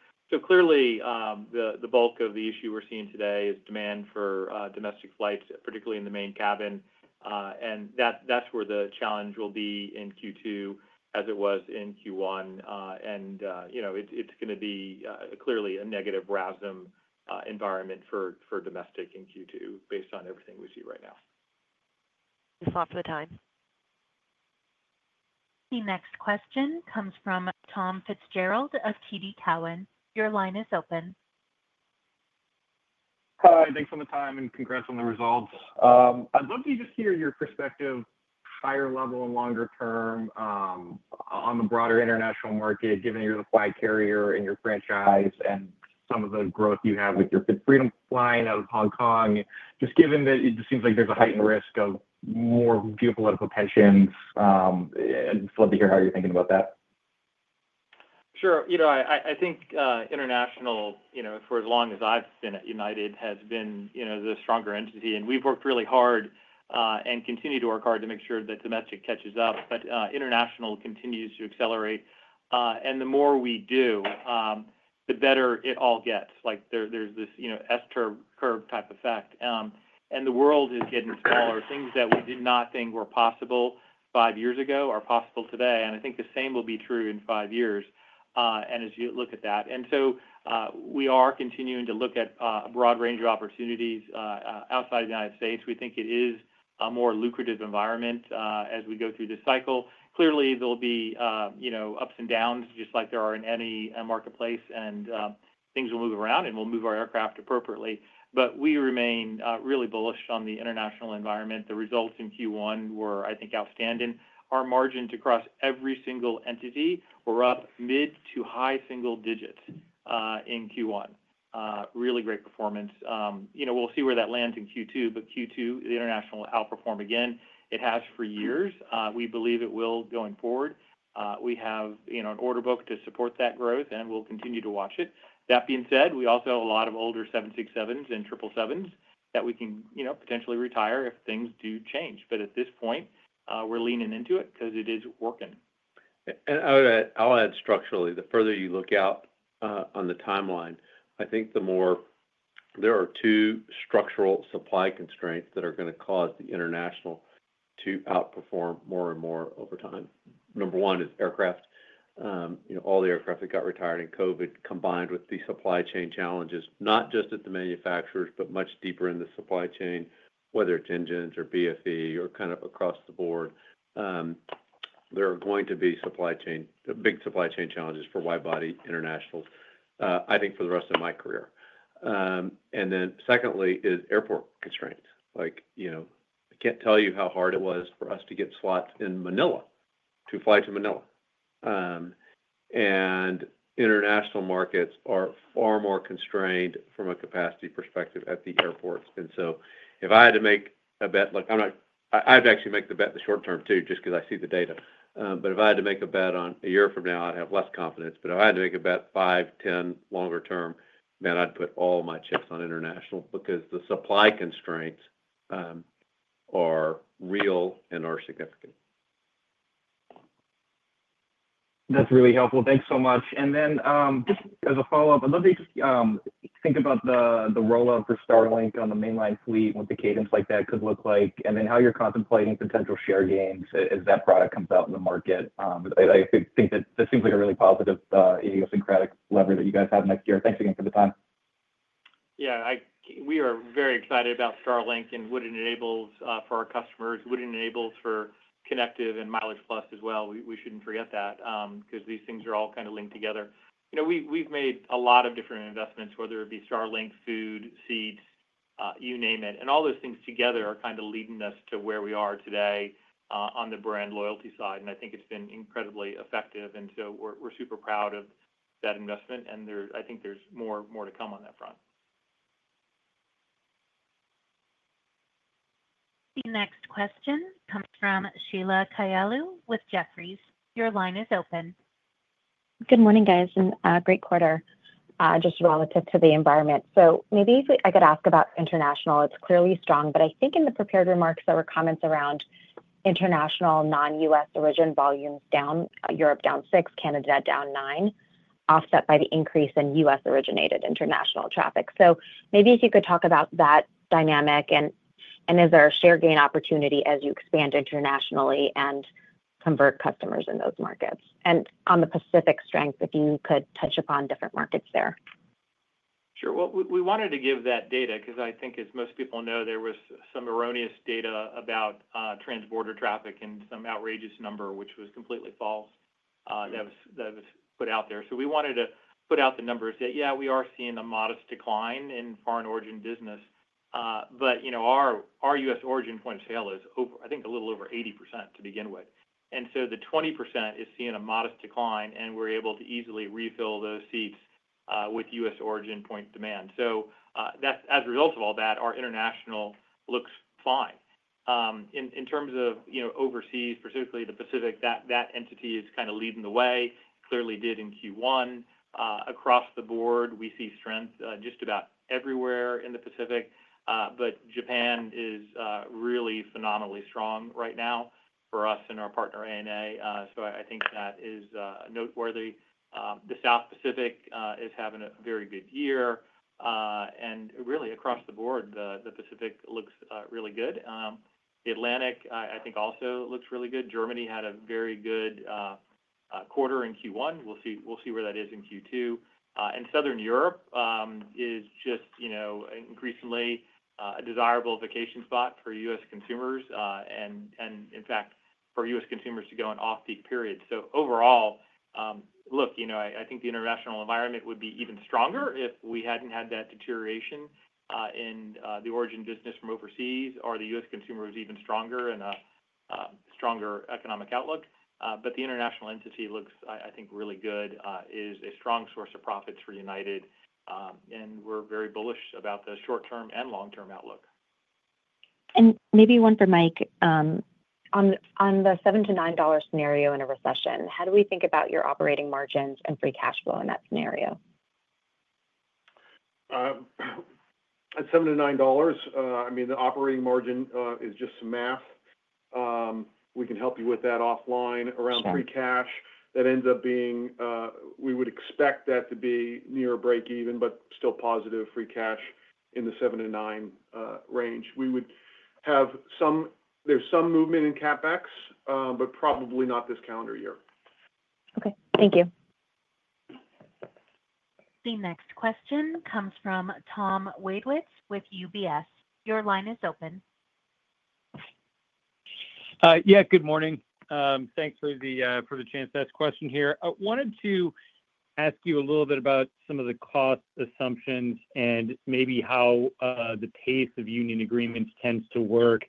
Clearly, the bulk of the issue we're seeing today is demand for domestic flights, particularly in the main cabin. That's where the challenge will be in Q2, as it was in Q1. It's going to be clearly a negative RASM environment for domestic in Q2, based on everything we see right now. Thanks a lot for the time. The next question comes from Tom Fitzgerald of TD Cowen. Your line is open. Hi. Thanks for the time and congrats on the results. I'd love to just hear your perspective, higher level and longer term, on the broader international market, given you're the flag carrier and your franchise and some of the growth you have with your freedom flying out of Hong Kong. Just given that it just seems like there's a heightened risk of more geopolitical tensions, I'd love to hear how you're thinking about that. Sure. I think international, for as long as I've been at United, has been the stronger entity. We've worked really hard and continue to work hard to make sure that domestic catches up. International continues to accelerate. The more we do, the better it all gets. There's this S-curve type effect. The world is getting smaller. Things that we did not think were possible five years ago are possible today. I think the same will be true in five years as you look at that. We are continuing to look at a broad range of opportunities outside of the United States. We think it is a more lucrative environment as we go through this cycle. Clearly, there will be ups and downs, just like there are in any marketplace. Things will move around, and we'll move our aircraft appropriately. We remain really bullish on the international environment. The results in Q1 were, I think, outstanding. Our margins across every single entity were up mid to high single digits in Q1. Really great performance. We will see where that lands in Q2, but Q2, the international outperformed again. It has for years. We believe it will going forward. We have an order book to support that growth, and we will continue to watch it. That being said, we also have a lot of older 767s and 777s that we can potentially retire if things do change. At this point, we are leaning into it because it is working. I'll add structurally, the further you look out on the timeline, I think the more there are two structural supply constraints that are going to cause the international to outperform more and more over time. Number one is aircraft. All the aircraft that got retired in COVID, combined with the supply chain challenges, not just at the manufacturers, but much deeper in the supply chain, whether it's engines or BFE or kind of across the board, there are going to be big supply chain challenges for wide-body internationals, I think, for the rest of my career. Secondly is airport constraints. I can't tell you how hard it was for us to get slots in Manila, to fly to Manila. International markets are far more constrained from a capacity perspective at the airports. If I had to make a bet, I'd actually make the bet in the short term too, just because I see the data. If I had to make a bet on a year from now, I'd have less confidence. If I had to make a bet five, 10 longer term, then I'd put all my chips on international because the supply constraints are real and are significant. That's really helpful. Thanks so much. Just as a follow-up, I'd love to think about the roll-up for Starlink on the mainline fleet and what the cadence like that could look like, and then how you're contemplating potential share gains as that product comes out in the market. I think that this seems like a really positive idiosyncratic lever that you guys have next year. Thanks again for the time. Yeah. We are very excited about Starlink and what it enables for our customers, what it enables for Kinective and MileagePlus as well. We should not forget that because these things are all kind of linked together. We have made a lot of different investments, whether it be Starlink, food, seats, you name it. All those things together are kind of leading us to where we are today on the brand loyalty side. I think it has been incredibly effective. We are super proud of that investment. I think there is more to come on that front. The next question comes from Sheila Kahyaoglu with Jefferies. Your line is open. Good morning, guys. Great quarter, just relative to the environment. Maybe if I could ask about international, it's clearly strong. I think in the prepared remarks, there were comments around international non-U.S. origin volumes down, Europe down 6%, Canada down 9%, offset by the increase in U.S.-originated international traffic. Maybe if you could talk about that dynamic and is there a share gain opportunity as you expand internationally and convert customers in those markets. On the Pacific strength, if you could touch upon different markets there. Sure. We wanted to give that data because I think, as most people know, there was some erroneous data about transborder traffic and some outrageous number, which was completely false that was put out there. We wanted to put out the numbers that, yeah, we are seeing a modest decline in foreign origin business. Our U.S. origin point of sale is, I think, a little over 80% to begin with. The 20% is seeing a modest decline, and we're able to easily refill those seats with U.S. origin point demand. As a result of all that, our international looks fine. In terms of overseas, particularly the Pacific, that entity is kind of leading the way. It clearly did in Q1. Across the board, we see strength just about everywhere in the Pacific. Japan is really phenomenally strong right now for us and our partner, ANA. I think that is noteworthy. The South Pacific is having a very good year. Really, across the board, the Pacific looks really good. The Atlantic, I think, also looks really good. Germany had a very good quarter in Q1. We'll see where that is in Q2. Southern Europe is just increasingly a desirable vacation spot for U.S. consumers and, in fact, for U.S. consumers to go on off-peak periods. Overall, look, I think the international environment would be even stronger if we hadn't had that deterioration in the origin business from overseas or the U.S. consumer was even stronger and a stronger economic outlook. The international entity looks, I think, really good, is a strong source of profits for United. We're very bullish about the short-term and long-term outlook. Maybe one for Mike. On the $7-$9 scenario in a recession, how do we think about your operating margins and free cash flow in that scenario? At $7-$9, I mean, the operating margin is just some math. We can help you with that offline. Around free cash, that ends up being we would expect that to be near a break-even, but still positive free cash in the $7-$9 range. We would have some there's some movement in CapEx, but probably not this calendar year. Okay. Thank you. The next question comes from Tom Wadewitz with UBS. Your line is open. Yeah. Good morning. Thanks for the chance to ask a question here. I wanted to ask you a little bit about some of the cost assumptions and maybe how the pace of union agreements tends to work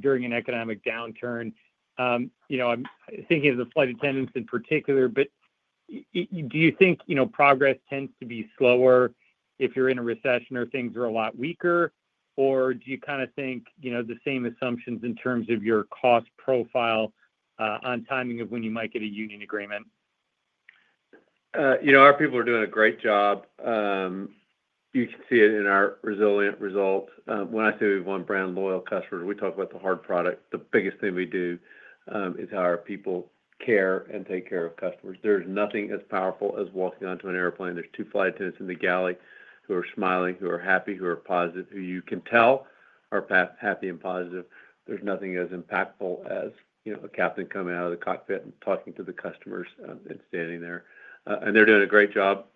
during an economic downturn. I'm thinking of the flight attendants in particular, but do you think progress tends to be slower if you're in a recession or things are a lot weaker, or do you kind of think the same assumptions in terms of your cost profile on timing of when you might get a union agreement? Our people are doing a great job. You can see it in our resilient results. When I say we have one brand loyal customer, we talk about the hard product. The biggest thing we do is how our people care and take care of customers. There is nothing as powerful as walking onto an airplane. There are two flight attendants in the galley who are smiling, who are happy, who are positive, who you can tell are happy and positive. There is nothing as impactful as a captain coming out of the cockpit and talking to the customers and standing there. They are doing a great job.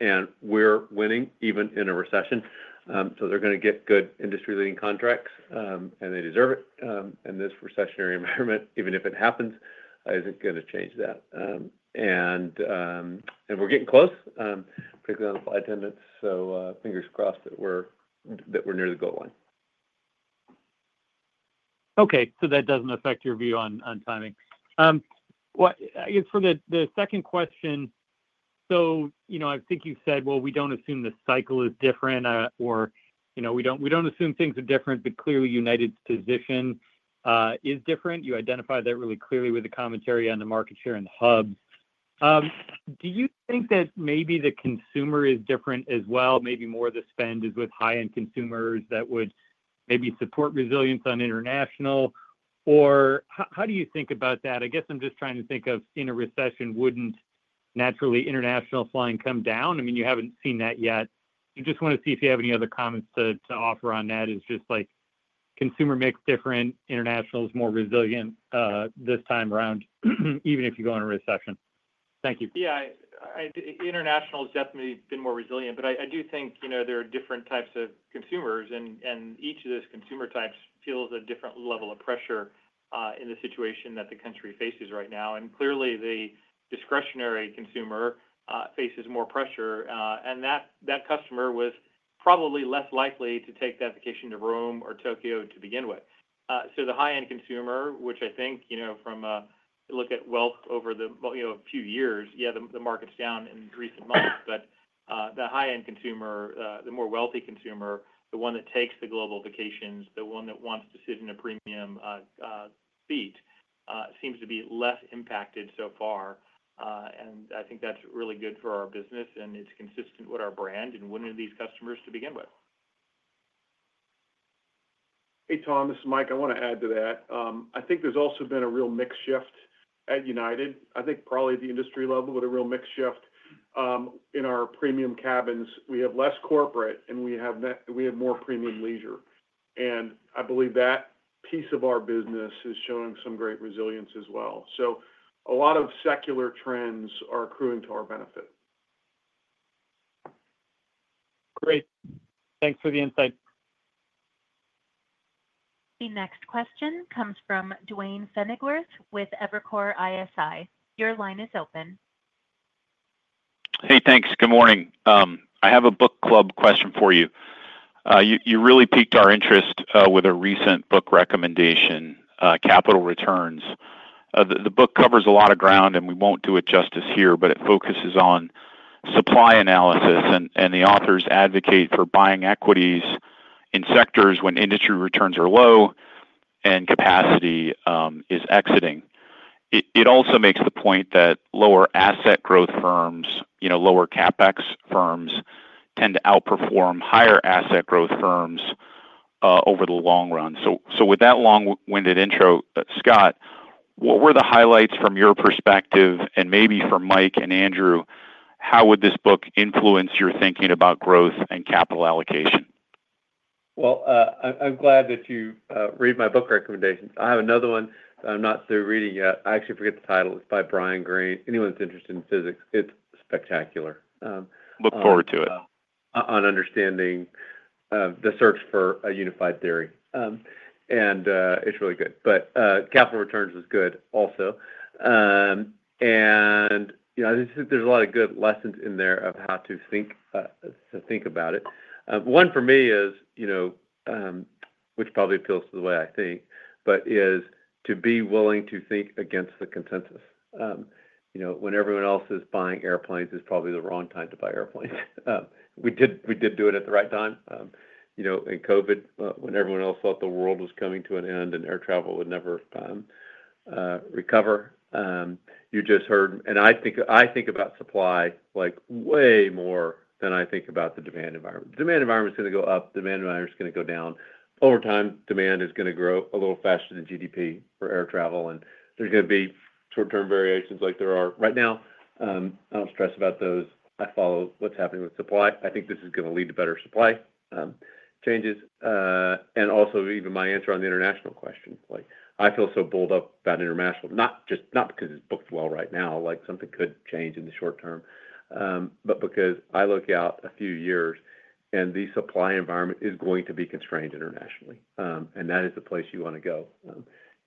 We are winning even in a recession. They are going to get good industry-leading contracts, and they deserve it. This recessionary environment, even if it happens, is not going to change that. We are getting close, particularly on the flight attendants. Fingers crossed that we're near the goal line. Okay. That does not affect your view on timing. I guess for the second question, I think you said, "We do not assume the cycle is different," or, "We do not assume things are different, but clearly United's position is different." You identify that really clearly with the commentary on the market share and the hubs. Do you think that maybe the consumer is different as well? Maybe more of the spend is with high-end consumers that would maybe support resilience on international? How do you think about that? I am just trying to think of, in a recession, would not naturally international flying come down? I mean, you have not seen that yet. I just want to see if you have any other comments to offer on that. It is just like consumer mix different, international is more resilient this time around, even if you go in a recession. Thank you. Yeah. International has definitely been more resilient. I do think there are different types of consumers. Each of those consumer types feels a different level of pressure in the situation that the country faces right now. Clearly, the discretionary consumer faces more pressure. That customer was probably less likely to take that vacation to Rome or Tokyo to begin with. The high-end consumer, which I think, from a look at wealth over a few years, yeah, the market's down in recent months. The high-end consumer, the more wealthy consumer, the one that takes the global vacations, the one that wants to sit in a premium seat, seems to be less impacted so far. I think that's really good for our business. It's consistent with our brand and winning these customers to begin with. Hey, Tom. This is Mike. I want to add to that. I think there's also been a real mixed shift at United. I think probably at the industry level, but a real mixed shift. In our premium cabins, we have less corporate, and we have more premium leisure. I believe that piece of our business is showing some great resilience as well. A lot of secular trends are accruing to our benefit. Great. Thanks for the insight. The next question comes from Duane Pfennigwerth with Evercore ISI. Your line is open. Hey, thanks. Good morning. I have a book club question for you. You really piqued our interest with a recent book recommendation, Capital Returns. The book covers a lot of ground, and we won't do it justice here, but it focuses on supply analysis. The authors advocate for buying equities in sectors when industry returns are low and capacity is exiting. It also makes the point that lower asset growth firms, lower CapEx firms tend to outperform higher asset growth firms over the long run. With that long-winded intro, Scott, what were the highlights from your perspective? Maybe for Mike and Andrew, how would this book influence your thinking about growth and capital allocation? I'm glad that you read my book recommendations. I have another one that I'm not through reading yet. I actually forget the title. It's by Brian Green. Anyone that's interested in physics, it's spectacular. Look forward to it. On understanding the search for a unified theory. It is really good. Capital Returns is good also. There are a lot of good lessons in there of how to think about it. One for me is, which probably appeals to the way I think, is to be willing to think against the consensus. When everyone else is buying airplanes, it is probably the wrong time to buy airplanes. We did do it at the right time. In COVID, when everyone else thought the world was coming to an end and air travel would never recover, you just heard—I think about supply way more than I think about the demand environment. The demand environment is going to go up. The demand environment is going to go down. Over time, demand is going to grow a little faster than GDP for air travel. There are going to be short-term variations like there are right now. I do not stress about those. I follow what is happening with supply. I think this is going to lead to better supply changes. Also, even my answer on the international question, I feel so bold about international, not because it is booked well right now, like something could change in the short term, but because I look out a few years, and the supply environment is going to be constrained internationally. That is the place you want to go.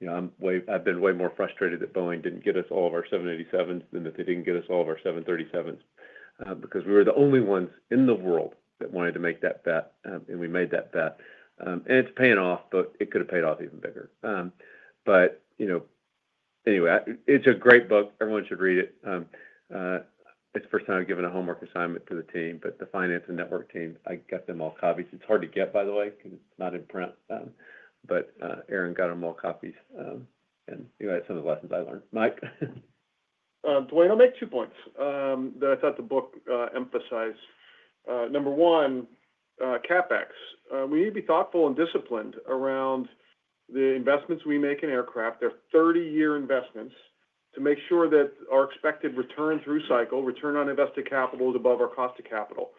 I have been way more frustrated that Boeing did not get us all of our 787s than that they did not get us all of our 737s because we were the only ones in the world that wanted to make that bet. We made that bet, and it is paying off, but it could have paid off even bigger. Anyway, it's a great book. Everyone should read it. It's the first time I've given a homework assignment to the team, but the finance and network team, I got them all copies. It's hard to get, by the way, because it's not in print. Aaron got them all copies. You had some of the lessons I learned. Mike. Dwayne, I'll make two points that I thought the book emphasized. Number one, CapEx. We need to be thoughtful and disciplined around the investments we make in aircraft. They're 30-year investments to make sure that our expected return through cycle, return on invested capital is above our cost of capital.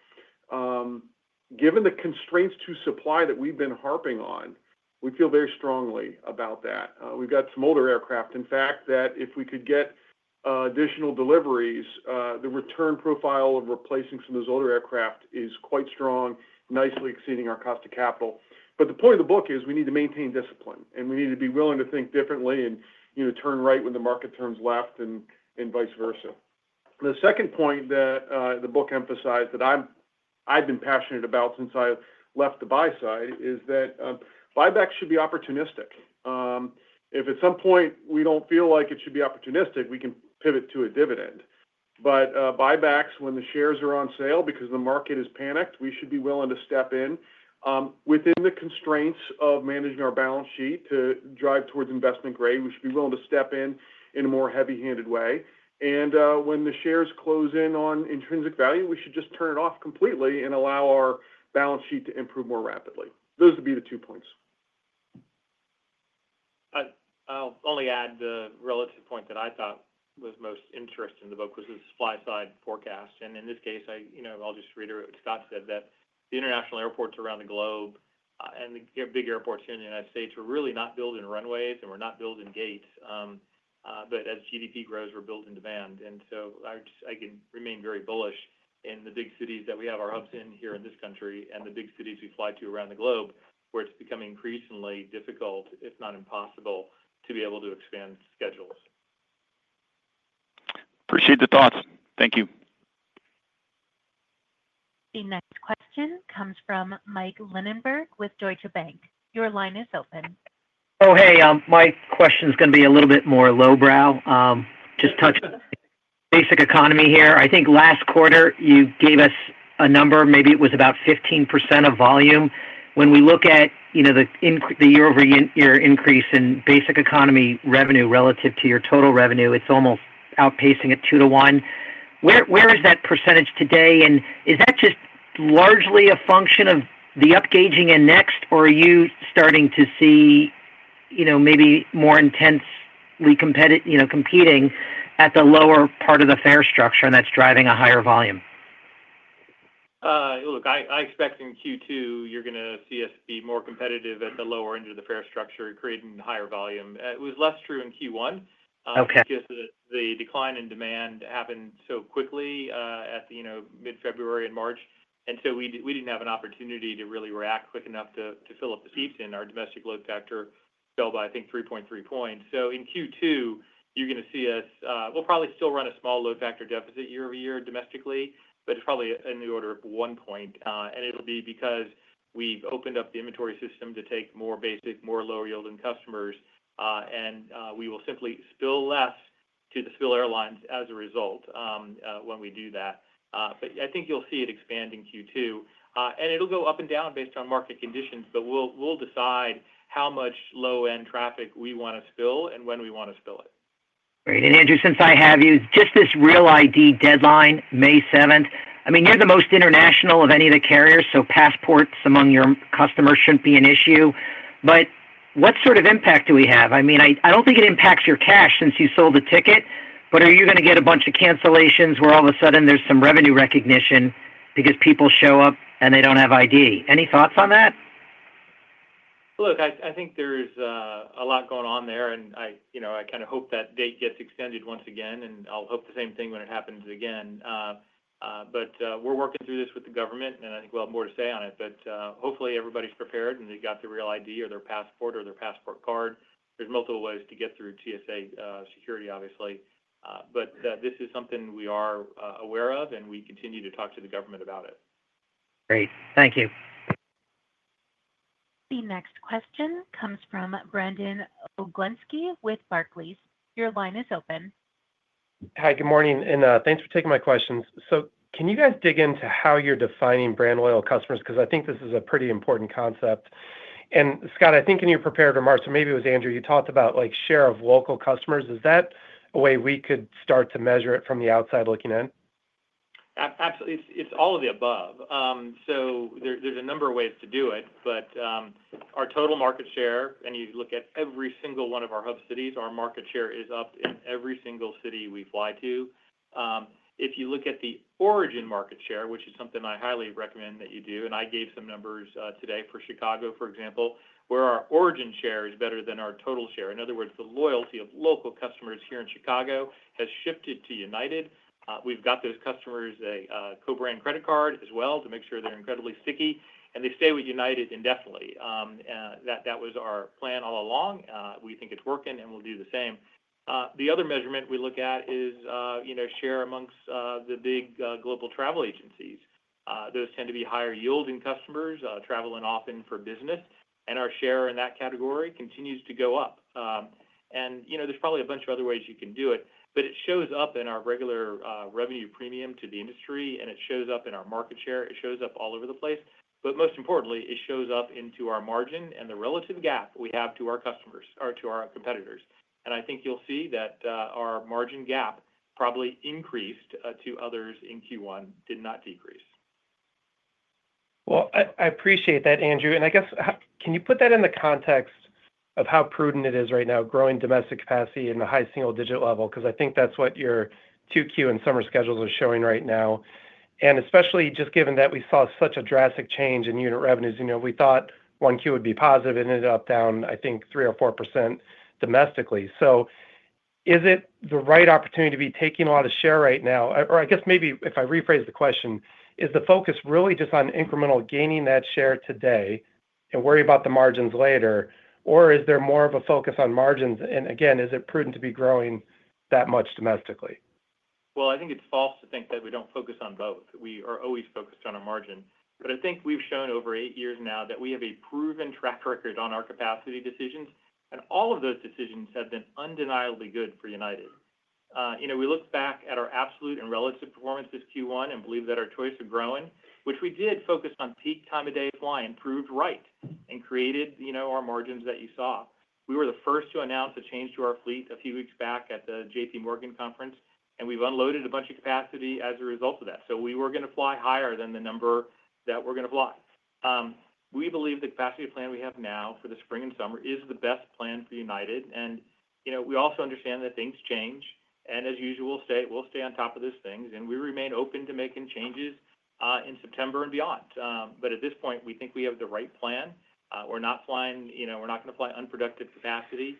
Given the constraints to supply that we've been harping on, we feel very strongly about that. We've got some older aircraft. In fact, that if we could get additional deliveries, the return profile of replacing some of those older aircraft is quite strong, nicely exceeding our cost of capital. The point of the book is we need to maintain discipline. We need to be willing to think differently and turn right when the market turns left and vice versa. The second point that the book emphasized that I've been passionate about since I left the buy side is that buybacks should be opportunistic. If at some point we do not feel like it should be opportunistic, we can pivot to a dividend. Buybacks, when the shares are on sale because the market is panicked, we should be willing to step in. Within the constraints of managing our balance sheet to drive towards investment grade, we should be willing to step in in a more heavy-handed way. When the shares close in on intrinsic value, we should just turn it off completely and allow our balance sheet to improve more rapidly. Those would be the two points. I'll only add the relative point that I thought was most interesting in the book was the supply-side forecast. In this case, I'll just reiterate what Scott said, that the international airports around the globe and the big airports here in the U.S. are really not building runways and we're not building gates. As GDP grows, we're building demand. I can remain very bullish in the big cities that we have our hubs in here in this country and the big cities we fly to around the globe where it's becoming increasingly difficult, if not impossible, to be able to expand schedules. Appreciate the thoughts. Thank you. The next question comes from Mike Lindenberg with Deutsche Bank. Your line is open. Oh, hey. My question's going to be a little bit more lowbrow, just touch basic economy here. I think last quarter, you gave us a number. Maybe it was about 15% of volume. When we look at the year-over-year increase in basic economy revenue relative to your total revenue, it's almost outpacing it two to one. Where is that percentage today? Is that just largely a function of the upgazing and next, or are you starting to see maybe more intensely competing at the lower part of the fare structure and that's driving a higher volume? Look, I expect in Q2, you're going to see us be more competitive at the lower end of the fare structure, creating higher volume. It was less true in Q1 because the decline in demand happened so quickly at mid-February and March. We didn't have an opportunity to really react quick enough to fill up the seats. Our domestic load factor fell by, I think, 3.3 percentage points. In Q2, you're going to see us—we'll probably still run a small load factor deficit year over year domestically, but it's probably in the order of one point. It'll be because we've opened up the inventory system to take more basic, more low-yielding customers. We will simply spill less to the spill airlines as a result when we do that. I think you'll see it expand in Q2. It will go up and down based on market conditions, but we will decide how much low-end traffic we want to spill and when we want to spill it. Great. Andrew, since I have you, just this real ID deadline, May 7th, I mean, you're the most international of any of the carriers, so passports among your customers shouldn't be an issue. What sort of impact do we have? I mean, I don't think it impacts your cash since you sold the ticket, but are you going to get a bunch of cancellations where all of a sudden there's some revenue recognition because people show up and they don't have ID? Any thoughts on that? Look, I think there is a lot going on there. I kind of hope that date gets extended once again. I will hope the same thing when it happens again. We are working through this with the government, and I think we will have more to say on it. Hopefully, everybody is prepared and they got their real ID or their passport or their passport card. There are multiple ways to get through TSA security, obviously. This is something we are aware of, and we continue to talk to the government about it. Great. Thank you. The next question comes from Brandon Oglenski with Barclays. Your line is open. Hi, good morning. Thanks for taking my questions. Can you guys dig into how you're defining brand-loyal customers? I think this is a pretty important concept. Scott, I think you're prepared or Mark, so maybe it was Andrew, you talked about share of local customers. Is that a way we could start to measure it from the outside looking in? Absolutely. It's all of the above. There's a number of ways to do it. Our total market share, and you look at every single one of our hub cities, our market share is up in every single city we fly to. If you look at the origin market share, which is something I highly recommend that you do, and I gave some numbers today for Chicago, for example, where our origin share is better than our total share. In other words, the loyalty of local customers here in Chicago has shifted to United. We've got those customers a co-brand credit card as well to make sure they're incredibly sticky. They stay with United indefinitely. That was our plan all along. We think it's working, and we'll do the same. The other measurement we look at is share amongst the big global travel agencies. Those tend to be higher-yielding customers, traveling often for business. Our share in that category continues to go up. There is probably a bunch of other ways you can do it. It shows up in our regular revenue premium to the industry, and it shows up in our market share. It shows up all over the place. Most importantly, it shows up in our margin and the relative gap we have to our customers or to our competitors. I think you'll see that our margin gap probably increased to others in Q1, did not decrease. I appreciate that, Andrew. I guess, can you put that in the context of how prudent it is right now, growing domestic capacity in a high single-digit level? I think that is what your 2Q and summer schedules are showing right now. Especially just given that we saw such a drastic change in unit revenues. We thought 1Q would be positive and ended up down, I think, 3% or 4% domestically. Is it the right opportunity to be taking a lot of share right now? I guess maybe if I rephrase the question, is the focus really just on incremental gaining that share today and worry about the margins later? Is there more of a focus on margins? Again, is it prudent to be growing that much domestically? I think it's false to think that we don't focus on both. We are always focused on our margin. I think we've shown over eight years now that we have a proven track record on our capacity decisions. All of those decisions have been undeniably good for United. We look back at our absolute and relative performances Q1 and believe that our choice of growing, which we did focus on peak time of day flying, proved right and created our margins that you saw. We were the first to announce a change to our fleet a few weeks back at the JP Morgan conference. We've unloaded a bunch of capacity as a result of that. We were going to fly higher than the number that we're going to fly. We believe the capacity plan we have now for the spring and summer is the best plan for United. We also understand that things change. As usual, we'll stay on top of those things. We remain open to making changes in September and beyond. At this point, we think we have the right plan. We're not flying—we're not going to fly unproductive capacity.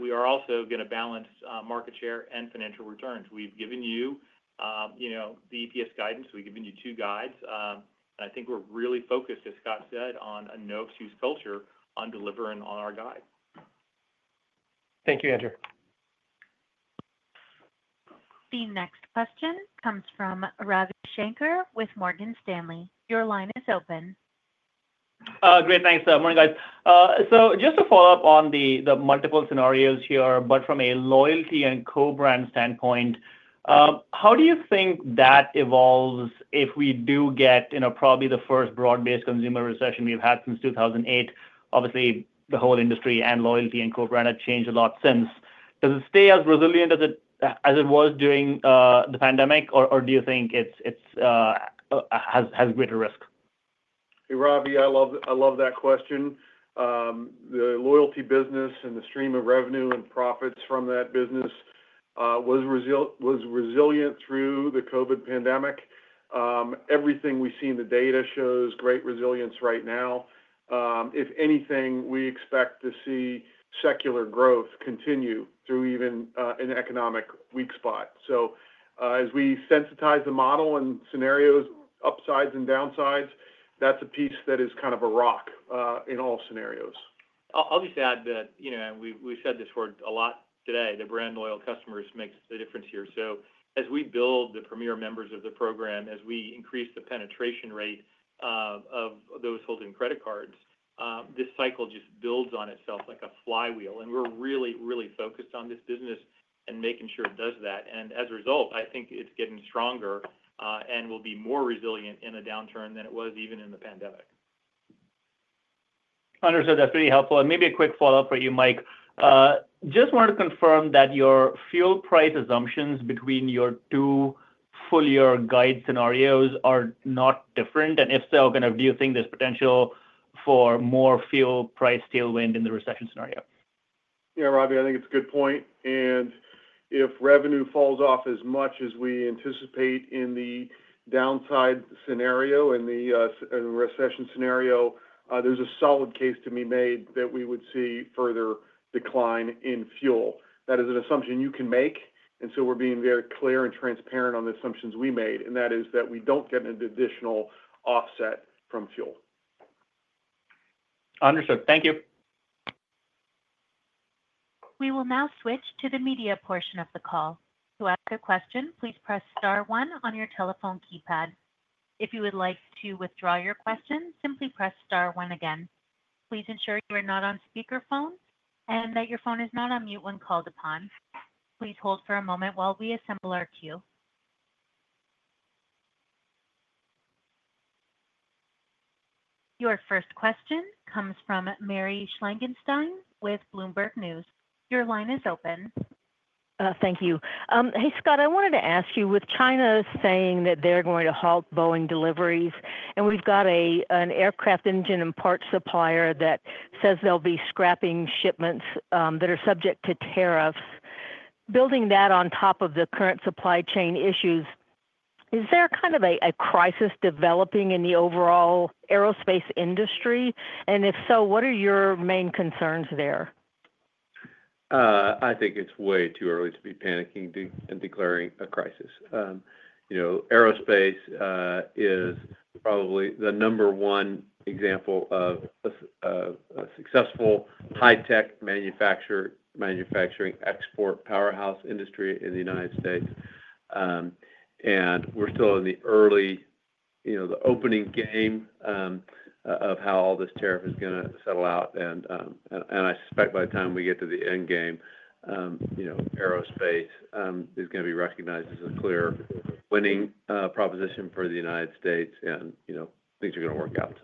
We are also going to balance market share and financial returns. We've given you the EPS guidance. We've given you two guides. I think we're really focused, as Scott said, on a no-excuse culture on delivering on our guide. Thank you, Andrew. The next question comes from Ravi Shankar with Morgan Stanley. Your line is open. Great. Thanks. Morning, guys. Just to follow up on the multiple scenarios here, but from a loyalty and co-brand standpoint, how do you think that evolves if we do get probably the first broad-based consumer recession we've had since 2008? Obviously, the whole industry and loyalty and co-brand have changed a lot since. Does it stay as resilient as it was during the pandemic, or do you think it has greater risk? Hey, Ravi, I love that question. The loyalty business and the stream of revenue and profits from that business was resilient through the COVID pandemic. Everything we see in the data shows great resilience right now. If anything, we expect to see secular growth continue through even an economic weak spot. As we sensitize the model and scenarios, upsides and downsides, that's a piece that is kind of a rock in all scenarios. I'll just add that we've said this word a lot today, that brand-loyal customers makes the difference here. As we build the premier members of the program, as we increase the penetration rate of those holding credit cards, this cycle just builds on itself like a flywheel. We're really, really focused on this business and making sure it does that. As a result, I think it's getting stronger and will be more resilient in a downturn than it was even in the pandemic. Understood. That's really helpful. Maybe a quick follow-up for you, Mike. Just wanted to confirm that your fuel price assumptions between your two full-year guide scenarios are not different. If so, do you think there's potential for more fuel price tailwind in the recession scenario? Yeah, Ravi, I think it's a good point. If revenue falls off as much as we anticipate in the downside scenario, in the recession scenario, there's a solid case to be made that we would see further decline in fuel. That is an assumption you can make. We're being very clear and transparent on the assumptions we made. That is that we don't get an additional offset from fuel. Understood. Thank you. We will now switch to the media portion of the call. To ask a question, please press star one on your telephone keypad. If you would like to withdraw your question, simply press star one again. Please ensure you are not on speakerphone and that your phone is not on mute when called upon. Please hold for a moment while we assemble our queue. Your first question comes from Mary Schlangenstein with Bloomberg News. Your line is open. Thank you. Hey, Scott, I wanted to ask you, with China saying that they're going to halt Boeing deliveries, and we've got an aircraft engine and parts supplier that says they'll be scrapping shipments that are subject to tariffs, building that on top of the current supply chain issues, is there kind of a crisis developing in the overall aerospace industry? If so, what are your main concerns there? I think it's way too early to be panicking and declaring a crisis. Aerospace is probably the number one example of a successful high-tech manufacturing export powerhouse industry in the U.S. We're still in the early, the opening game of how all this tariff is going to settle out. I suspect by the time we get to the end game, aerospace is going to be recognized as a clear winning proposition for the U.S., and things are going to work out.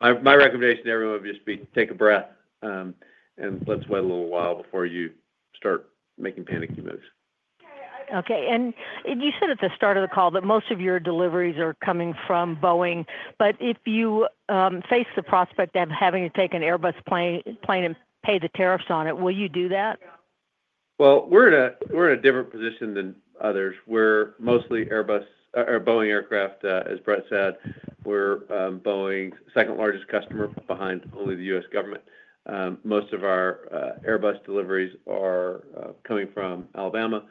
My recommendation to everyone would just be take a breath and let's wait a little while before you start making panicky moves. Okay. You said at the start of the call that most of your deliveries are coming from Boeing. If you face the prospect of having to take an Airbus plane and pay the tariffs on it, will you do that? We're in a different position than others. We're mostly Airbus or Boeing aircraft, as Brett said. We're Boeing's second largest customer, behind only the U.S. government. Most of our Airbus deliveries are coming from Alabama.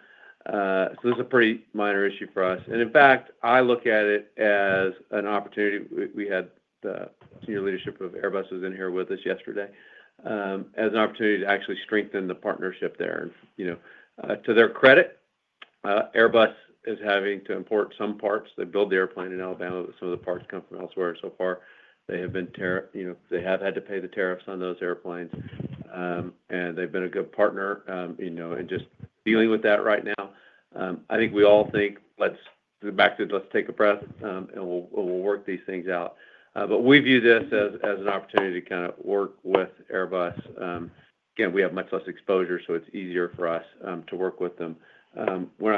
This is a pretty minor issue for us. In fact, I look at it as an opportunity. We had the senior leadership of Airbus in here with us yesterday as an opportunity to actually strengthen the partnership there. To their credit, Airbus is having to import some parts. They build the airplane in Alabama, but some of the parts come from elsewhere. So far, they have had to pay the tariffs on those airplanes. They have been a good partner in just dealing with that right now. I think we all think, let's go back to let's take a breath, and we'll work these things out. We view this as an opportunity to kind of work with Airbus. Again, we have much less exposure, so it's easier for us to work with them. We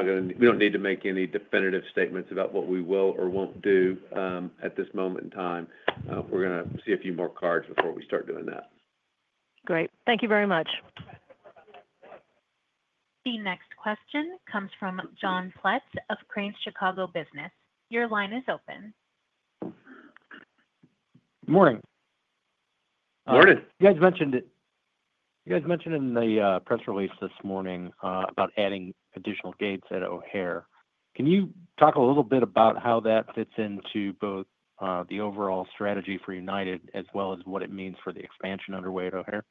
don't need to make any definitive statements about what we will or won't do at this moment in time. We're going to see a few more cards before we start doing that. Great. Thank you very much. The next question comes from John Pletz of Crain's Chicago Business. Your line is open. Morning. Morning. You guys mentioned it. You guys mentioned in the press release this morning about adding additional gates at O'Hare. Can you talk a little bit about how that fits into both the overall strategy for United as well as what it means for the expansion underway at O'Hare?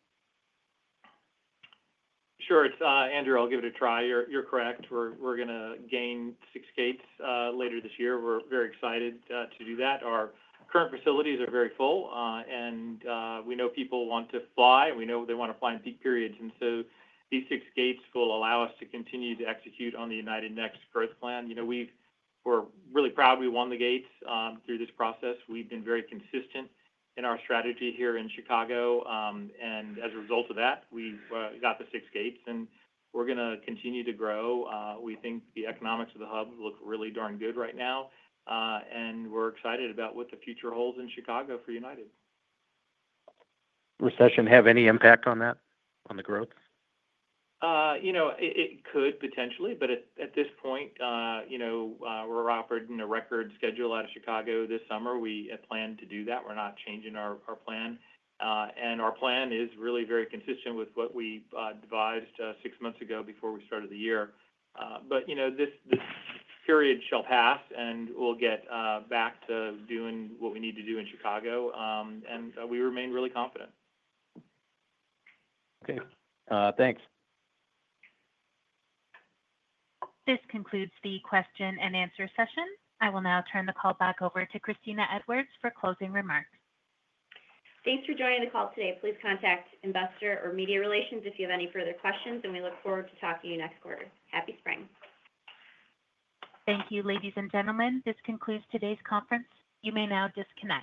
Sure. It's Andrew, I'll give it a try. You're correct. We're going to gain six gates later this year. We're very excited to do that. Our current facilities are very full. We know people want to fly. We know they want to fly in peak periods. These six gates will allow us to continue to execute on the United Next growth plan. We're really proud we won the gates through this process. We've been very consistent in our strategy here in Chicago. As a result of that, we got the six gates. We're going to continue to grow. We think the economics of the hub look really darn good right now. We're excited about what the future holds in Chicago for United. Recession have any impact on that, on the growth? It could potentially. At this point, we're offered a record schedule out of Chicago this summer. We have planned to do that. We're not changing our plan. Our plan is really very consistent with what we devised six months ago before we started the year. This period shall pass, and we'll get back to doing what we need to do in Chicago. We remain really confident. Okay. Thanks. This concludes the question and answer session. I will now turn the call back over to Kristina Edwards for closing remarks. Thanks for joining the call today. Please contact investor or media relations if you have any further questions. We look forward to talking to you next quarter. Happy spring. Thank you, ladies and gentlemen. This concludes today's conference. You may now disconnect.